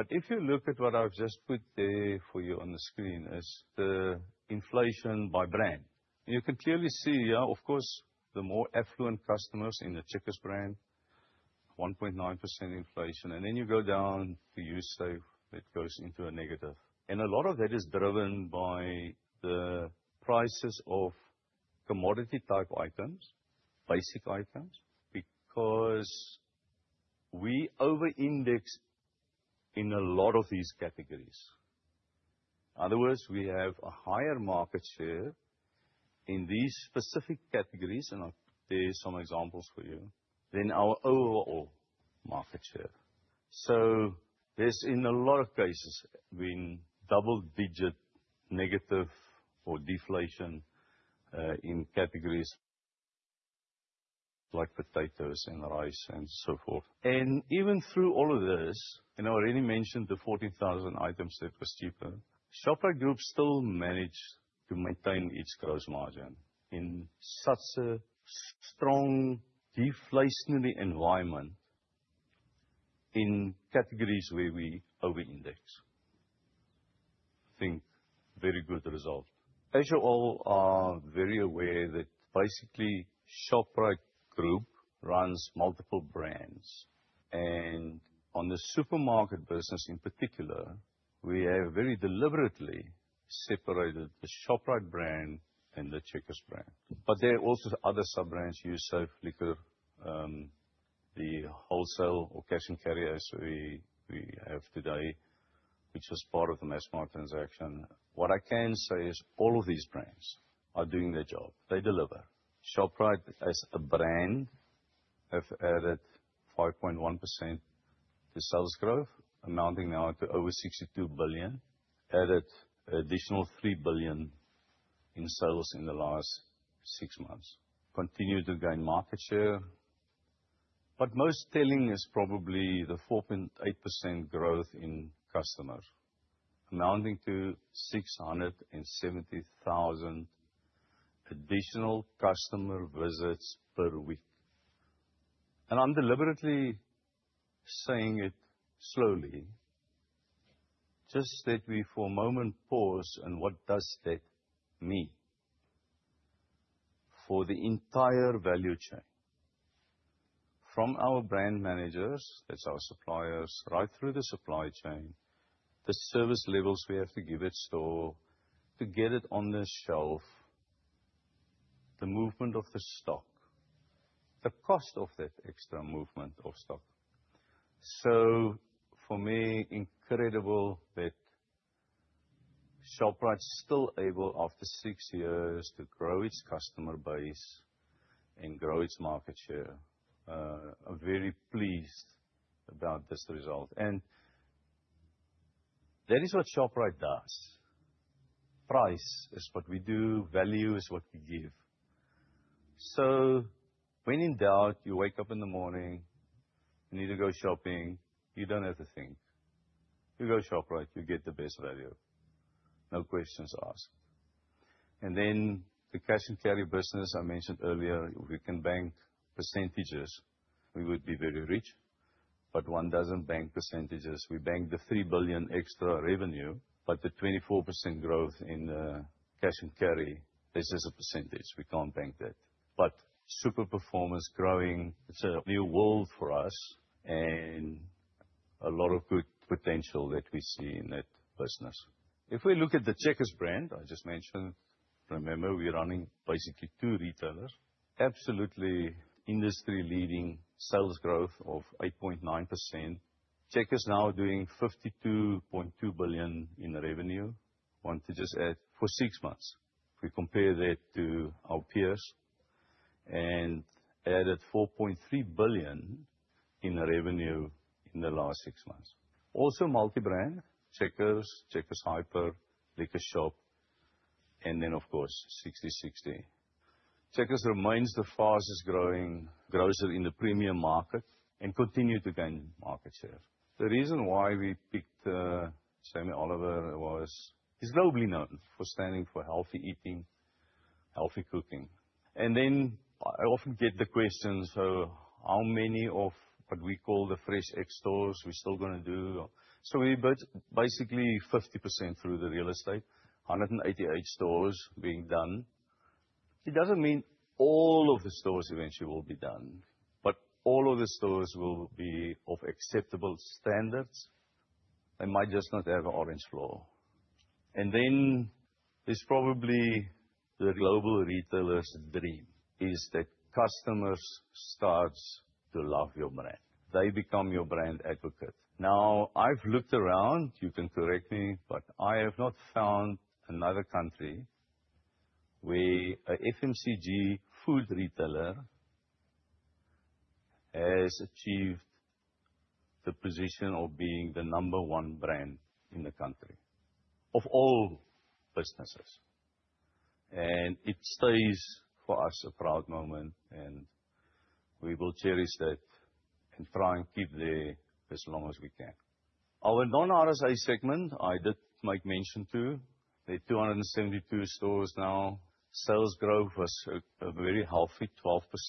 If you look at what I've just put there for you on the screen is the inflation by brand. You can clearly see here, of course, the more affluent customers in the Checkers brand, 1.9% inflation. Then you go down to Usave, it goes into a negative. A lot of that is driven by the prices of commodity type items, basic items, because we over-index in a lot of these categories. Other words, we have a higher market share in these specific categories, and I'll share some examples with you, than our overall market share. There's in a lot of cases been double-digit negative or deflation in categories like potatoes and rice and so forth. Even through all of this, and I already mentioned the 14,000 items that were cheaper, Shoprite Group still managed to maintain its gross margin in such a strong deflationary environment in categories where we over-index. I think very good result. As you all are very aware that basically Shoprite Group runs multiple brands. On the supermarket business in particular, we have very deliberately separated the Shoprite brand and the Checkers brand. There are also other sub-brands, Usave Liquor, the wholesale or cash and carriers we have today, which is part of the Massmart transaction. What I can say is all of these brands are doing their job. They deliver. Shoprite as a brand have added 5.1% to sales growth, amounting now to over 62 billion, added additional 3 billion in sales in the last six months. Continue to gain market share. Most telling is probably the 4.8% growth in customers, amounting to 670,000 additional customer visits per week. I'm deliberately saying it slowly, just that we for a moment pause on what does that mean for the entire value chain. From our brand managers, that's our suppliers, right through the supply chain, the service levels we have to give at store to get it on the shelf, the movement of the stock, the cost of that extra movement of stock. For me, incredible that Shoprite's still able, after six years, to grow its customer base and grow its market share. I'm very pleased about this result. That is what Shoprite does. Price is what we do. Value is what we give. When in doubt, you wake up in the morning, you need to go shopping, you don't have to think. You go Shoprite, you get the best value, no questions asked. The cash and carry business I mentioned earlier, if we can bank percentages, we would be very rich, but one doesn't bank percentages. We bank the 3 billion extra revenue, but the 24% growth in cash and carry, this is a percentage. We can't bank that. Super performance growing, it's a new world for us and a lot of good potential that we see in that business. If we look at the Checkers brand I just mentioned, remember, we're running basically two retailers. Absolutely industry-leading sales growth of 8.9%. Checkers now doing 52.2 billion in revenue. Want to just add, for six months. If we compare that to our peers and added 4.3 billion in revenue in the last six months. Also multi-brand, Checkers Hyper, LiquorShop, and of course Sixty60. Checkers remains the fastest growing grocer in the premium market and continue to gain market share. The reason why we picked Jamie Oliver was he's globally known for standing for healthy eating, healthy cooking. I often get the question, how many of what we call the FreshX stores we're still gonna do? We built basically 50% through the real estate, 188 stores being done. It doesn't mean all of the stores eventually will be done, but all of the stores will be of acceptable standards. They might just not have an orange floor. Then it's probably the global retailer's dream is that customers starts to love your brand. They become your brand advocate. Now, I've looked around, you can correct me, but I have not found another country where a FMCG food retailer has achieved the position of being the number one brand in the country of all businesses. It stays for us a proud moment, and we will cherish that and try and keep there as long as we can. Our non-RSA segment, I did make mention to, there are 272 stores now. Sales growth was a very healthy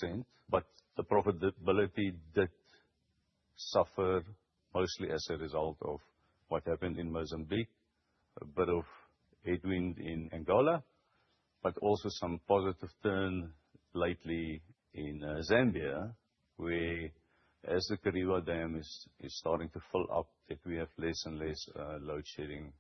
12%, but the profitability did suffer mostly as a result of what happened in Mozambique. A bit of headwind in Angola. Also some positive turn lately in Zambia, where as the Kariba Dam is starting to fill up that we have less and less load shedding.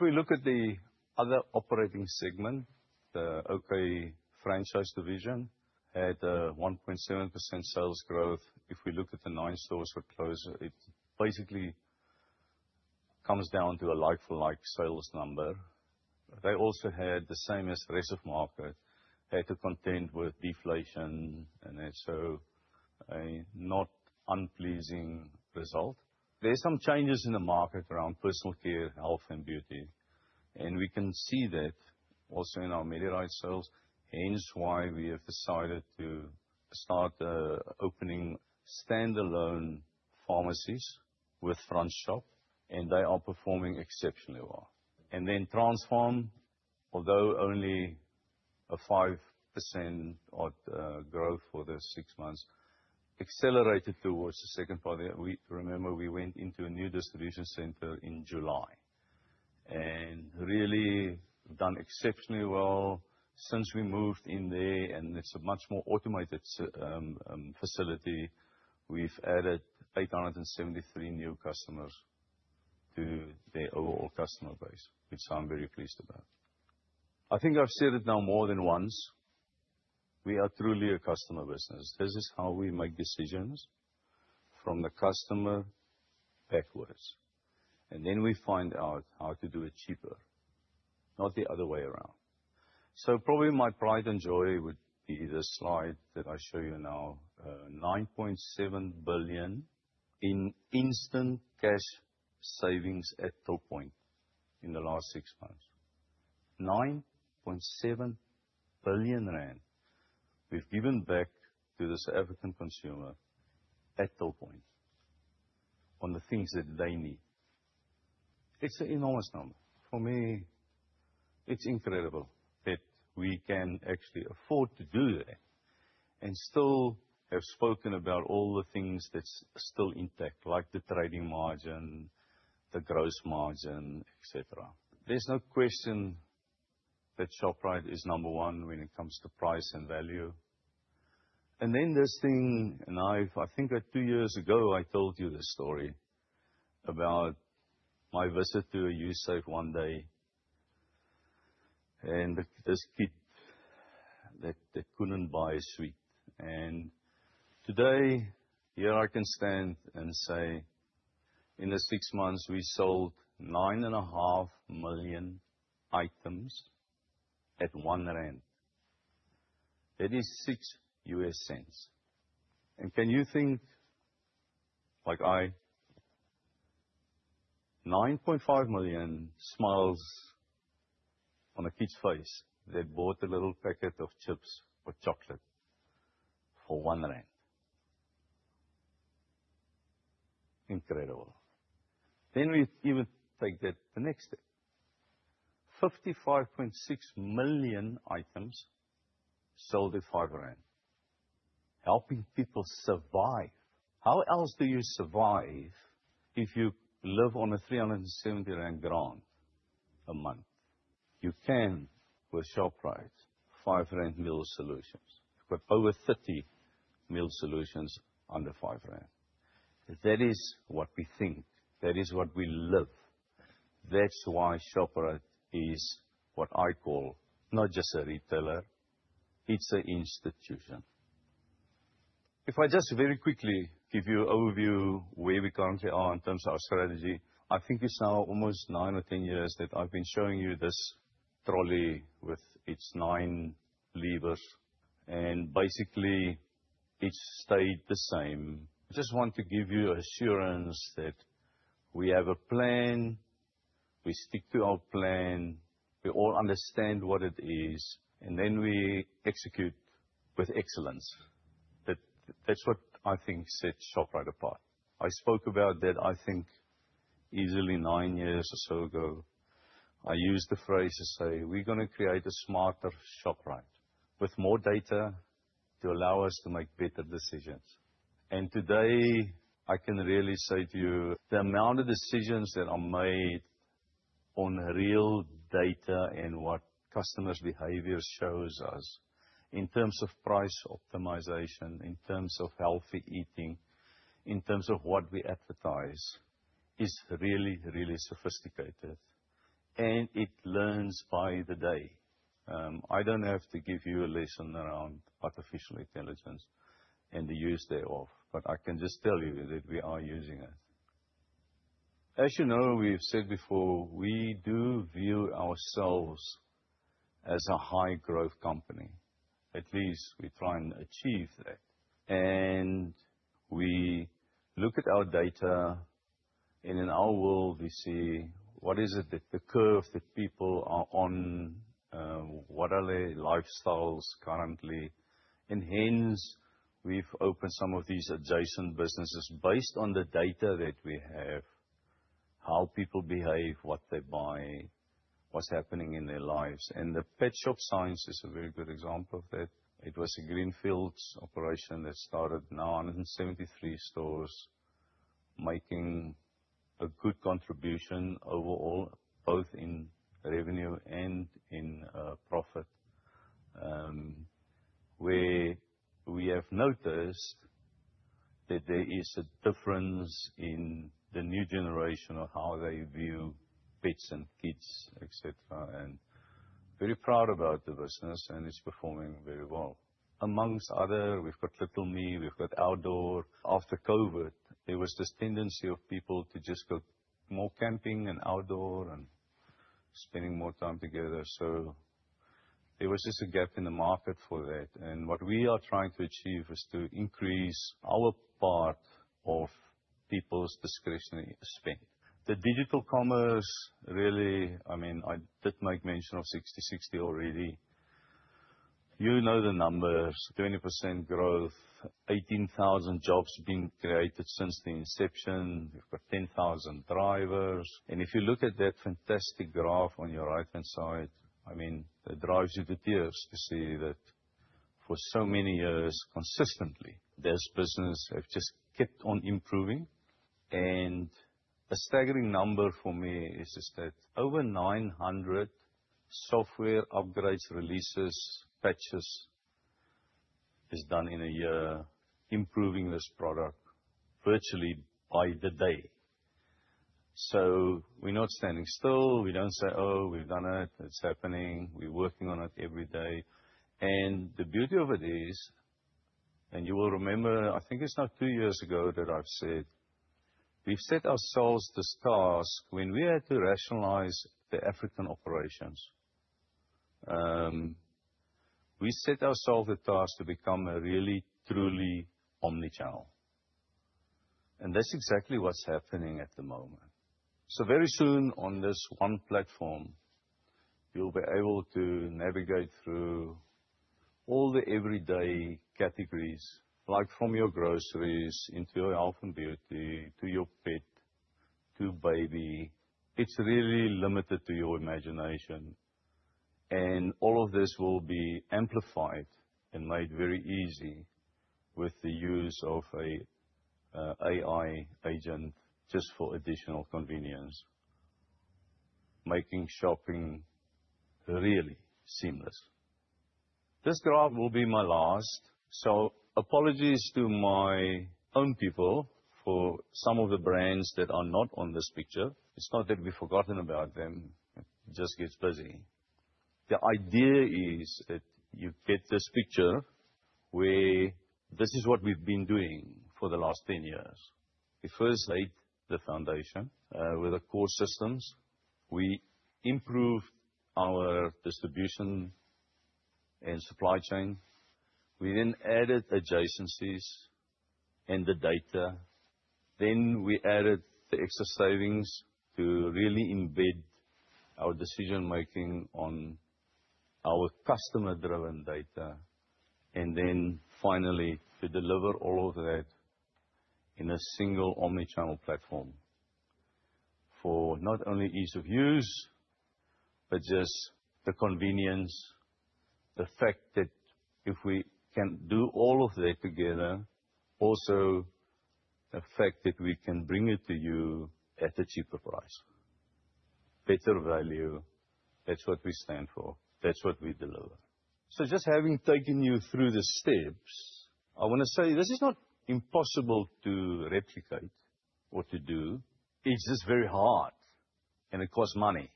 We look at the other operating segment, the OK Franchise Division had 1.7% sales growth. We look at the nine stores were closed, it basically comes down to a like-for-like sales number. They also had the same as the rest of market, had to contend with deflation and also a not unpleasing result. There are some changes in the market around personal care, health, and beauty, and we can see that also in our Medirite sales. Hence why we have decided to start opening standalone pharmacies with front shop, and they are performing exceptionally well. Transform, although only a 5% odd growth for the six months, accelerated towards the second part. Remember we went into a new distribution center in July and really done exceptionally well since we moved in there, and it's a much more automated facility. We've added 873 new customers to the overall customer base, which I'm very pleased about. I think I've said it now more than once. We are truly a customer business. This is how we make decisions, from the customer backwards, we find out how to do it cheaper, not the other way around. Probably my pride and joy would be the slide that I show you now. 9.7 billion in instant cash savings at till point in the last six months. 9.7 billion rand we've given back to the South African consumer at till point on the things that they need. It's an enormous number. For me, it's incredible that we can actually afford to do that and still have spoken about all the things that's still intact, like the trading margin, the gross margin, et cetera. There's no question that Shoprite is number one when it comes to price and value. There's thing, now I think like two years ago, I told you this story about my visit to a Usave one day and the, this kid that couldn't buy a sweet. Today, here I can stand and say in the six months we sold 9.5 million items at 1 rand. That is $0.06. Can you think like I... 9.5 million smiles on a kid's face that bought a little packet of chips or chocolate for 1. Incredible. We even take that the next step. 55.6 million items sold at ZAR 5, helping people survive. How else do you survive if you live on a 370 rand grant a month? You can with Shoprite's 5 rand meal solutions. We've over 30 meal solutions under 5 rand. That is what we think. That is what we live. That's why Shoprite is what I call not just a retailer, it's a institution. If I just very quickly give you an overview where we currently are in terms of our strategy. I think it's now almost nine or 10 years that I've been showing you this trolley with its nine levers, basically, it's stayed the same. I just want to give you assurance that we have a plan, we stick to our plan, we all understand what it is, and then we execute with excellence. That's what I think sets Shoprite apart. I spoke about that, I think, easily nine years or so ago. I used the phrase to say, "We're gonna create a smarter Shoprite with more data to allow us to make better decisions." Today, I can really say to you, the amount of decisions that are made on real data and what customers' behavior shows us in terms of price optimization, in terms of healthy eating, in terms of what we advertise, is really, really sophisticated, and it learns by the day. I don't have to give you a lesson around artificial intelligence and the use thereof, but I can just tell you that we are using it. As you know, we've said before, we do view ourselves as a high-growth company. At least we try and achieve that. We look at our data, and in our world, we see what is it that the curve that people are on, what are their lifestyles currently. Hence, we've opened some of these adjacent businesses based on the data that we have, how people behave, what they buy, what's happening in their lives. The Petshop Science is a very good example of that. It was a greenfields operation that started now 173 stores, making a good contribution overall, both in revenue and in profit. Where we have noticed that there is a difference in the new generation of how they view pets and kids, et cetera. Very proud about the business, and it's performing very well. Amongst other, we've got Little Me, we've got Outdoor. After COVID, there was this tendency of people to just go more camping and outdoor and spending more time together. There was just a gap in the market for that. What we are trying to achieve is to increase our part of people's discretionary spend. The digital commerce, really, I mean, I did make mention of Sixty60 already. You know the numbers, 20% growth, 18,000 jobs have been created since the inception. We've got 10,000 drivers. If you look at that fantastic graph on your right-hand side, I mean, it drives you to tears to see that for so many years, consistently, this business has just kept on improving. A staggering number for me is that over 900 software upgrades, releases, patches is done in a year, improving this product virtually by the day. We're not standing still. We don't say, "Oh, we've done it." It's happening. We're working on it every day. The beauty of it is, and you will remember, I think it's now two years ago that I've said, we've set ourselves this task when we had to rationalize the African operations. We set ourselves a task to become a really, truly omni-channel. That's exactly what's happening at the moment. Very soon on this one platform, you'll be able to navigate through all the everyday categories, like from your groceries into your health and beauty, to your pet, to baby. It's really limited to your imagination. All of this will be amplified and made very easy with the use of a AI agent just for additional convenience, making shopping really seamless. This graph will be my last. Apologies to my own people for some of the brands that are not on this picture. It's not that we've forgotten about them, it just gets busy. The idea is that you get this picture where this is what we've been doing for the last 10 years. We first laid the foundation with the core systems. We improved our distribution and supply chain. We then added adjacencies and the data. We added the extra savings to really embed our decision-making on our customer-driven data. Finally, to deliver all of that in a single omni-channel platform for not only ease of use, but just the convenience, the fact that if we can do all of that together, also the fact that we can bring it to you at a cheaper price. Better value, that's what we stand for, that's what we deliver. Just having taken you through the steps, I wanna say this is not impossible to replicate or to do. It's just very hard and it costs money.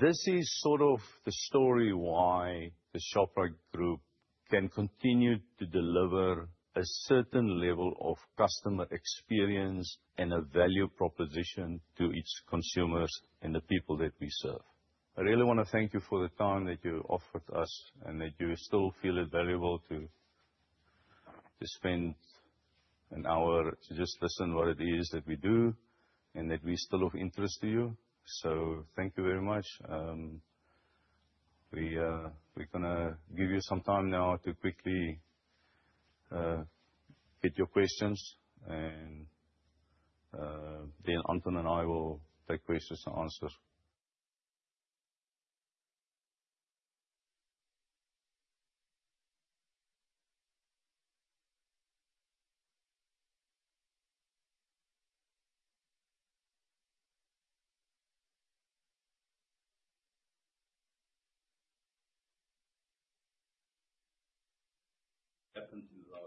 This is sort of the story why the Shoprite Group can continue to deliver a certain level of customer experience and a value proposition to its consumers and the people that we serve. I really wanna thank you for the time that you offered us, and that you still feel it valuable to spend an hour to just listen what it is that we do, and that we're still of interest to you. Thank you very much. We're gonna give you some time now to quickly get your questions. Anton and I will take questions and answers.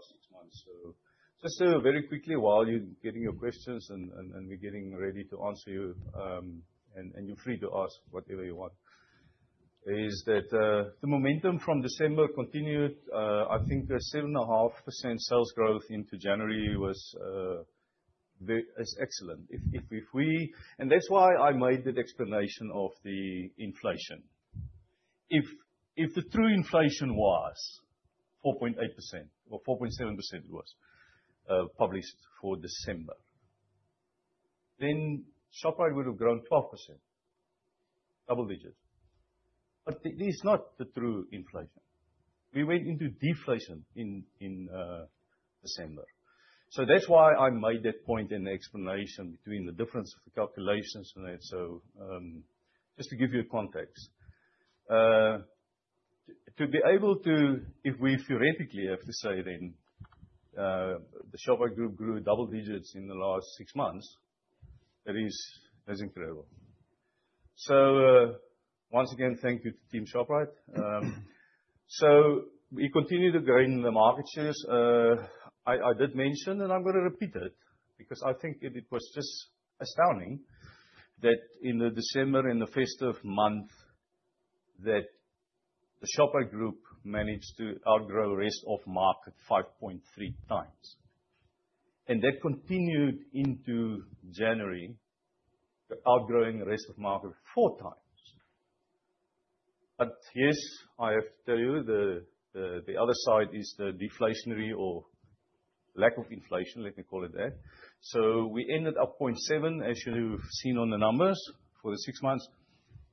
Happened in the last six months. Just very quickly while you're getting your questions and we're getting ready to answer you, and you're free to ask whatever you want, is that the momentum from December continued. I think the 7.5% sales growth into January was excellent. If we. That's why I made that explanation of the inflation. If the true inflation was 4.8% or 4.7% it was published for December, then Shoprite would have grown 12%, double digits. It is not the true inflation. We went into deflation in December. That's why I made that point and explanation between the difference of the calculations and that. Just to give you a context. To be able to, if we theoretically have to say then, the Shoprite Group grew double digits in the last six months, that's incredible. Once again, thank you to Team Shoprite. We continue to gain the market shares. I did mention, and I'm gonna repeat it because I think it was just astounding that in the December, in the festive month, that the Shoprite Group managed to outgrow rest of market 5.3x. That continued into January, outgrowing the rest of market 4x. Yes, I have to tell you, the other side is the deflationary or lack of inflation, let me call it that. We ended up 0.7%, as you've seen on the numbers for the six months.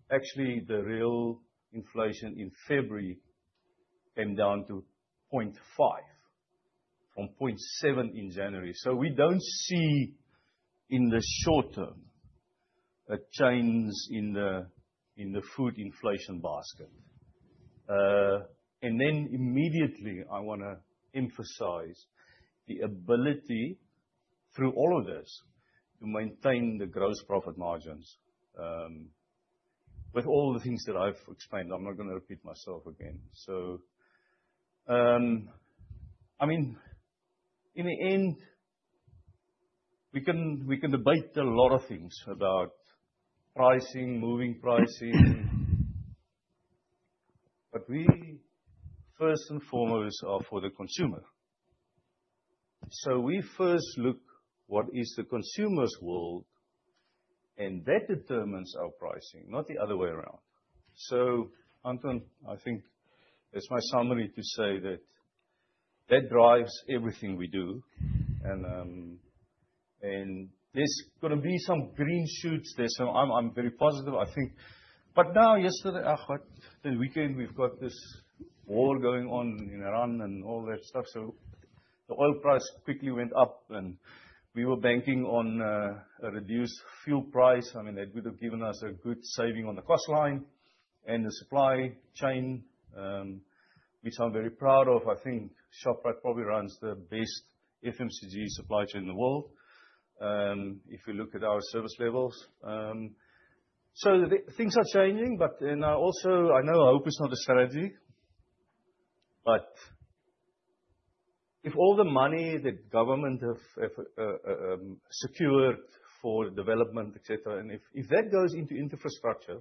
Actually, the real inflation in February came down to 0.5% from 0.7% in January. We don't see in the short term a change in the, in the food inflation basket. Immediately, I want to emphasize the ability through all of this to maintain the gross profit margins with all the things that I've explained. I'm not going to repeat myself again. I mean, in the end, we can debate a lot of things about pricing, moving pricing. We first and foremost are for the consumer. We first look what is the consumer's world, and that determines our pricing, not the other way around. Anton, I think it's my summary to say that that drives everything we do. There's going to be some green shoots there, so I'm very positive, I think. Now yesterday, the weekend we've got this war going on in Iran and all that stuff. The oil price quickly went up and we were banking on a reduced fuel price. I mean, that would have given us a good saving on the cost line and the supply chain, which I'm very proud of. I think Shoprite probably runs the best FMCG supply chain in the world, if you look at our service levels. So things are changing. I also, I know hope is not a strategy, but if all the money that government have secured for development, et cetera, and if that goes into infrastructure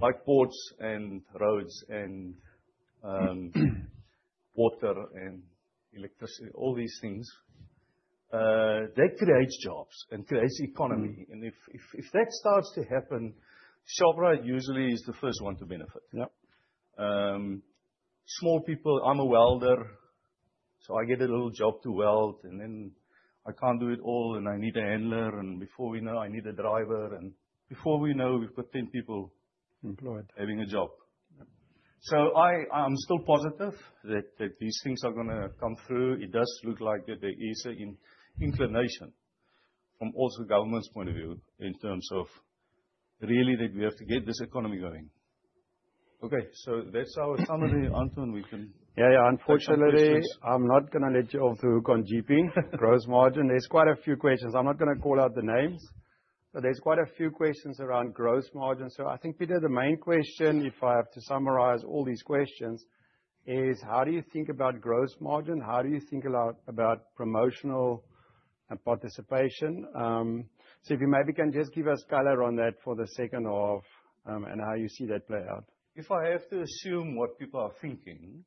like ports and roads and water and electricity, all these things. That creates jobs and creates economy. Mm-hmm. If that starts to happen, Shoprite usually is the first one to benefit. Yeah. Small people... I'm a welder, I get a little job to weld, I can't do it all and I need a handler, Before we know, I need a driver. Before we know, we've got 10 people- Employed having a job. Yeah. I'm still positive that these things are going to come through. It does look like that there is an inclination from also government's point of view in terms of really that we have to get this economy going. Okay. That's our summary, Anton. Yeah. Take some questions. I'm not gonna let you off the hook on GP. Gross margin. There's quite a few questions. I'm not gonna call out the names, but there's quite a few questions around gross margin. I think, Pieter, the main question, if I have to summarize all these questions, is how do you think about gross margin? How do you think a lot about promotional participation? If you maybe can just give us color on that for the second half, and how you see that play out. If I have to assume what people are thinking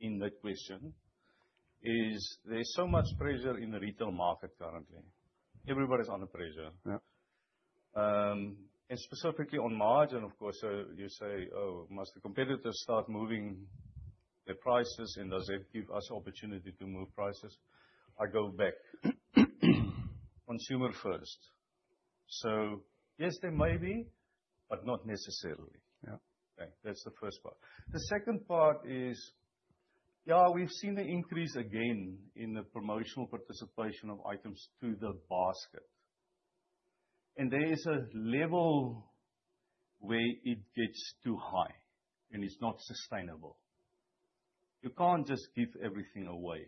in that question, is there's so much pressure in the retail market currently. Everybody's under pressure. Yeah. Specifically on margin, of course, you say, "must the competitors start moving their prices, and does it give us opportunity to move prices?" I go back. Consumer First. Yes, they may be, but not necessarily. Yeah. Okay. That's the first part. The second part is, yeah, we've seen the increase again in the promotional participation of items to the basket. There is a level where it gets too high and it's not sustainable. You can't just give everything away.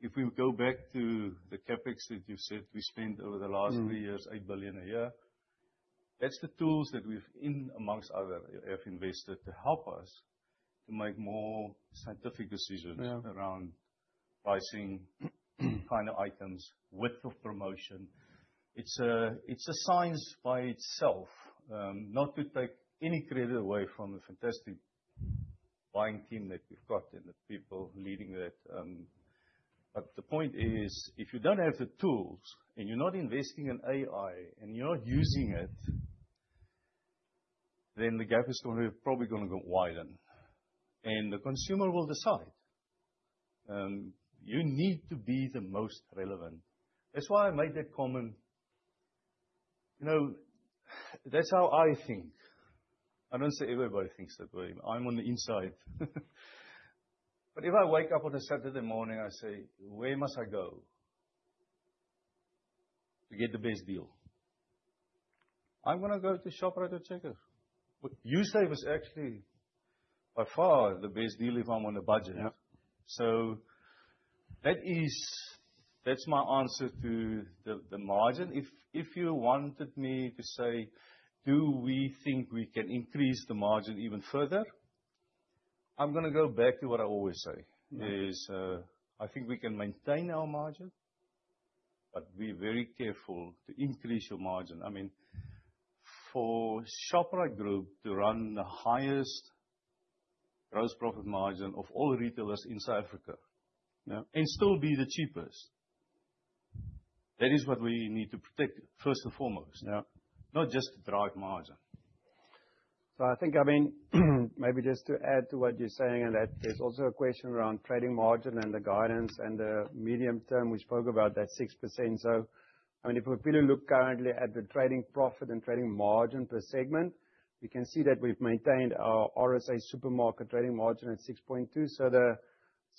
If we go back to the CapEx that you said we spent over the last three years- Mm. 8 billion a year, that's the tools that we've, in amongst other, have invested to help us to make more scientific decisions. Yeah around pricing, kind of items, width of promotion. It's a science by itself. Not to take any credit away from the fantastic buying team that we've got and the people leading that. The point is, if you don't have the tools and you're not investing in AI and you're not using it, then the gap is gonna probably go widen. The consumer will decide. You need to be the most relevant. That's why I made that comment. You know, that's how I think. I don't say everybody thinks that way. I'm on the inside. If I wake up on a Saturday morning, I say, "Where must I go to get the best deal?" I'm gonna go to Shoprite or Checkers. Usave is actually by far the best deal if I'm on a budget. Yeah. That's my answer to the margin. If you wanted me to say, do we think we can increase the margin even further? I'm gonna go back to what I always say. Yeah. I think we can maintain our margin, but be very careful to increase your margin. I mean, for Shoprite Group to run the highest gross profit margin of all retailers in South Africa. Yeah Still be the cheapest, that is what we need to protect first and foremost. Yeah. Not just to drive margin. I think, I mean, maybe just to add to what you're saying in that there's also a question around trading margin and the guidance and the medium term. We spoke about that 6%. I mean, if we really look currently at the trading profit and trading margin per segment, we can see that we've maintained our RSA supermarket trading margin at 6.2%.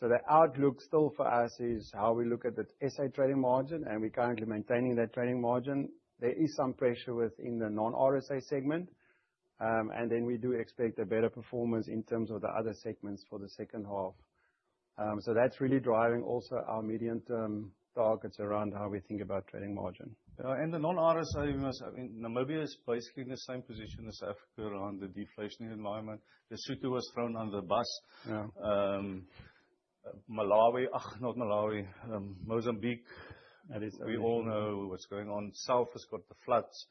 The outlook still for us is how we look at the SA trading margin, and we're currently maintaining that trading margin. There is some pressure within the non-RSA segment. And then we do expect a better performance in terms of the other segments for the second half. That's really driving also our medium-term targets around how we think about trading margin. The non-RSA, I mean, Namibia is basically in the same position as South Africa around the deflationary environment. Lesotho was thrown under the bus. Yeah. Malawi. Not Malawi. Mozambique. That is- We all know what's going on. South has got the floods,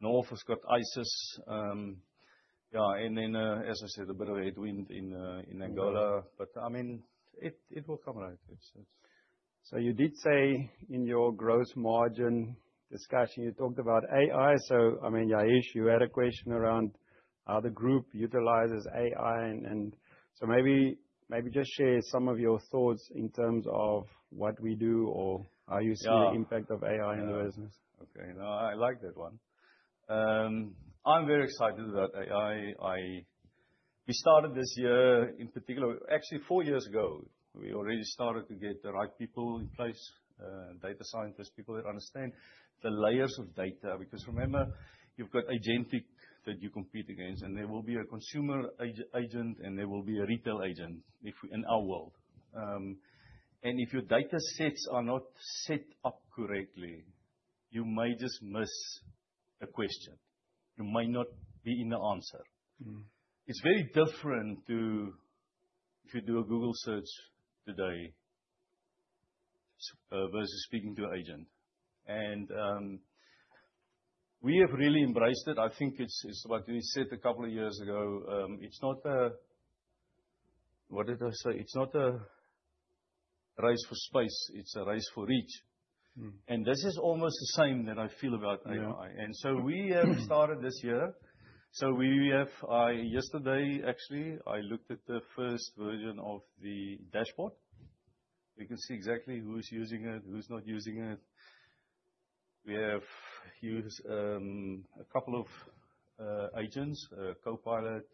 North has got ISIS. yeah. As I said, a bit of a headwind in Angola. Yeah. I mean, it will come right. It's. You did say in your gross margin discussion, you talked about AI. I mean, Yaish, you had a question around how the group utilizes AI and... Maybe just share some of your thoughts in terms of what we do. Yeah... the impact of AI in the business. Yeah. Okay. No, I like that one. I'm very excited about AI. We started this year in particular. Actually, four years ago, we already started to get the right people in place, data scientists, people that understand the layers of data. Remember, you've got agentic that you compete against, and there will be a consumer agent, and there will be a retail agent if we in our world. If your data sets are not set up correctly, you may just miss a question. You might not be in the answer. Mm. It's very different to if you do a Google search today versus speaking to an agent. We have really embraced it. I think it's what you said a couple of years ago, it's not a race for space, it's a race for reach. Mm. This is almost the same that I feel about AI. Yeah. We have started this year. We have, yesterday, actually, I looked at the first version of the dashboard. We can see exactly who's using it, who's not using it. We have used a couple of agents, Copilot,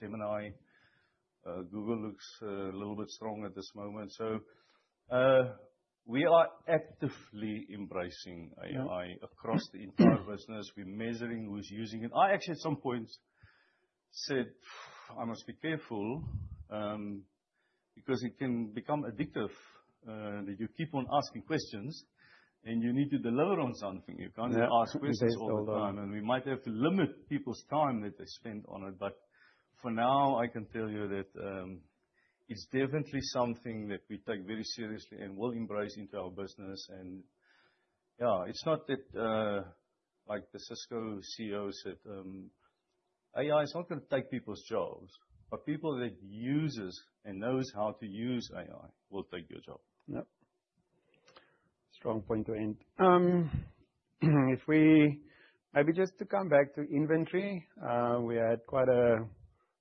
Gemini. Google looks a little bit strong at this moment. We are actively embracing AI. Yeah. -across the entire business. We're measuring who's using it. I actually, at some point, said, "I must be careful, because it can become addictive." That you keep on asking questions, and you need to deliver on something. Yeah. You can't just ask questions all the time. We might have to limit people's time that they spend on it. For now, I can tell you that, it's definitely something that we take very seriously and will embrace into our business. Yeah, it's not that, like the Cisco CEO said, AI is not gonna take people's jobs. People that uses and knows how to use AI will take your job. Yep. Strong point to end. Maybe just to come back to inventory. We had quite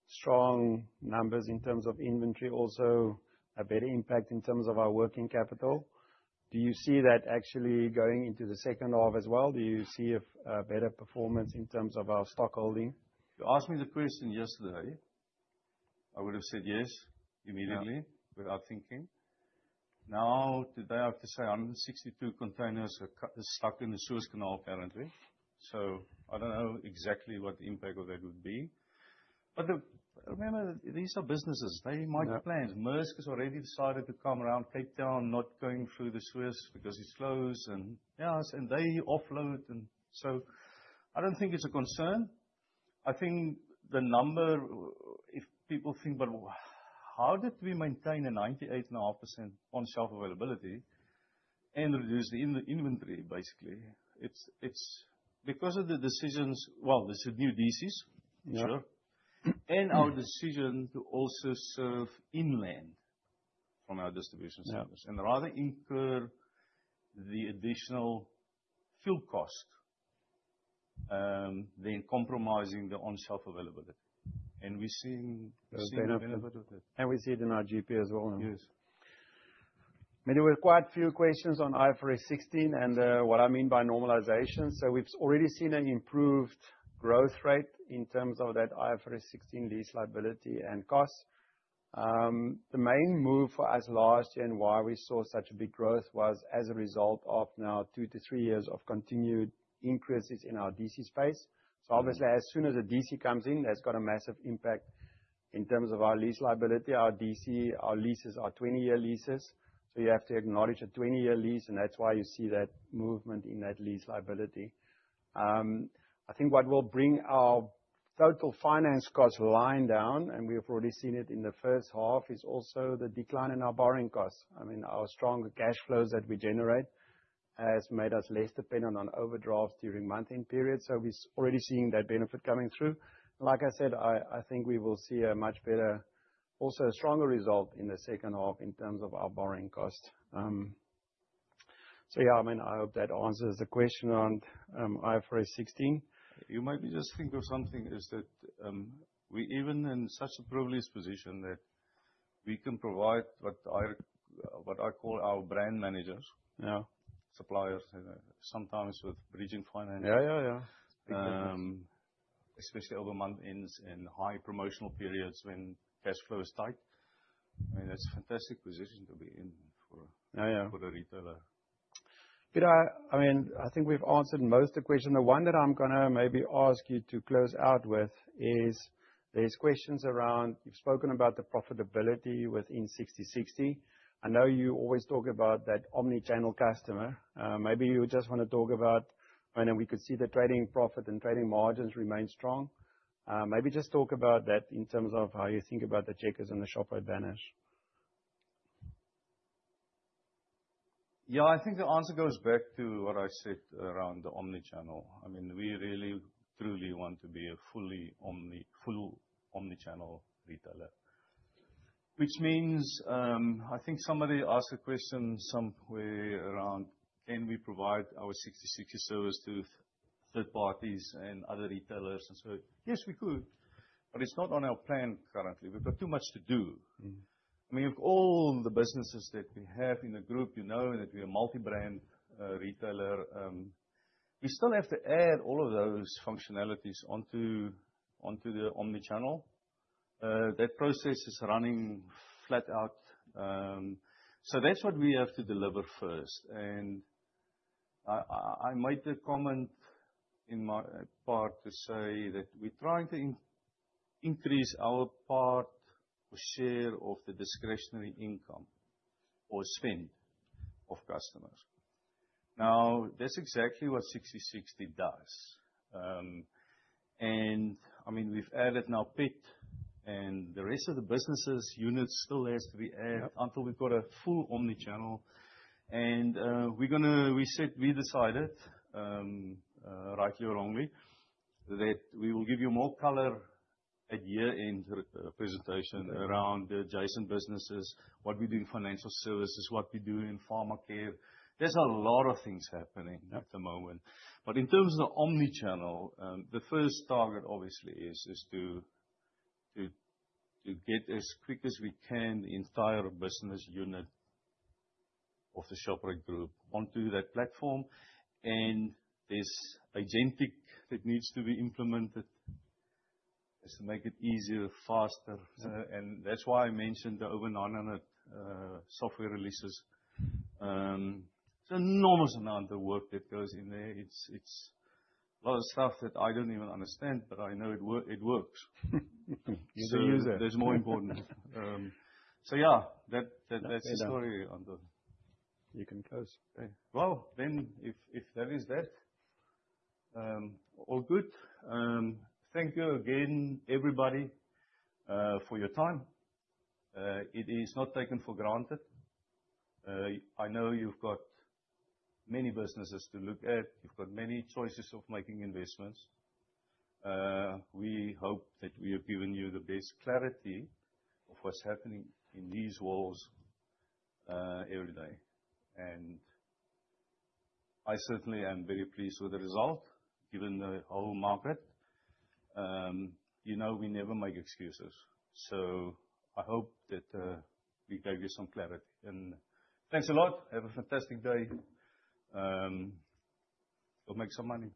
strong numbers in terms of inventory, also a better impact in terms of our working capital. Do you see that actually going into the second half as well? Do you see a better performance in terms of our stock holding? You asked me the question yesterday. I would've said yes immediately... Yeah. without thinking. Today I have to say 162 containers are stuck in the Suez Canal, apparently. I don't know exactly what the impact of that would be. Remember, these are businesses. They might plan. Yeah. Maersk has already decided to come around Cape Town, not going through the Suez because it's closed. Yeah, they offload. So I don't think it's a concern. I think the number, if people think, "But how did we maintain a 98.5% on-shelf availability and reduce the in-inventory, basically?" It's because of the decisions. Well, there's the new DCs. Yeah. For sure. Our decision to also serve inland from our distribution centers. Yeah. Rather incur the additional fuel cost, than compromising the on-shelf availability. We're seeing the benefit of that. We see it in our GP as well. Yes. Maybe we have quite a few questions on IFRS 16 and what I mean by normalization. We've already seen an improved growth rate in terms of that IFRS 16 lease liability and costs. The main move for us last year and why we saw such a big growth was as a result of now two to three years of continued increases in our DC space. Mm-hmm. Obviously, as soon as the DC comes in, that's got a massive impact in terms of our lease liability. Our DC, our leases are 20-year leases, you have to acknowledge a 20-year lease, that's why you see that movement in that lease liability. I think what will bring our total finance cost line down, we have already seen it in the first half, is also the decline in our borrowing costs. I mean, our stronger cash flows that we generate has made us less dependent on overdrafts during month-end periods. We're already seeing that benefit coming through. Like I said, I think we will see a much better, also a stronger result in the second half in terms of our borrowing costs. Yeah, I mean, I hope that answers the question on IFRS 16. You made me just think of something is that, we even in such a privileged position that we can provide what I call our brand managers. Yeah. Suppliers, sometimes with bridging finance. Yeah, yeah. Especially over month ends and high promotional periods when cash flow is tight. I mean, that's a fantastic position to be in. Yeah, yeah. for the retailer. Pieter, I mean, I think we've answered most of the question. The one that I'm gonna maybe ask you to close out with is there's questions around... You've spoken about the profitability within Sixty60. I know you always talk about that omni-channel customer. Maybe you just wanna talk about, I know we could see the trading profit and trading margins remain strong. Maybe just talk about that in terms of how you think about the Checkers and the Shoprite banners. Yeah, I think the answer goes back to what I said around the omni-channel. I mean, we really truly want to be a full omni-channel retailer. Which means, I think somebody asked a question somewhere around, can we provide our Sixty60 service to third parties and other retailers and so on. Yes, we could, but it's not on our plan currently. We've got too much to do. Mm. I mean, of all the businesses that we have in the group, you know that we're a multi-brand retailer. We still have to add all of those functionalities onto the omni-channel. That process is running flat out. That's what we have to deliver first. I made a comment in my part to say that we're trying to increase our part or share of the discretionary income or spend of customers. Now, that's exactly what Sixty60 does. I mean, we've added now PET and the rest of the businesses, units still has to be added. Yeah. until we've got a full omni-channel. We said we decided, rightly or wrongly, that we will give you more color at year-end presentation around the adjacent businesses, what we do in financial services, what we do in pharma care. There's a lot of things happening. Yeah. At the moment. In terms of omni-channel, the first target obviously is to get as quick as we can the entire business unit of the Shoprite Group onto that platform. There's agentic that needs to be implemented. Just to make it easier, faster. Yeah. That's why I mentioned the over 900 software releases. It's an enormous amount of work that goes in there. It's a lot of stuff that I don't even understand, but I know it works. You're the user. That's more important. Yeah, that's the story. You can close. Well, then if that is that, all good. Thank you again, everybody, for your time. It is not taken for granted. I know you've got many businesses to look at. You've got many choices of making investments. We hope that we have given you the best clarity of what's happening in these walls, every day. I certainly am very pleased with the result, given the whole market. You know we never make excuses, so I hope that we gave you some clarity. Thanks a lot. Have a fantastic day. Go make some money.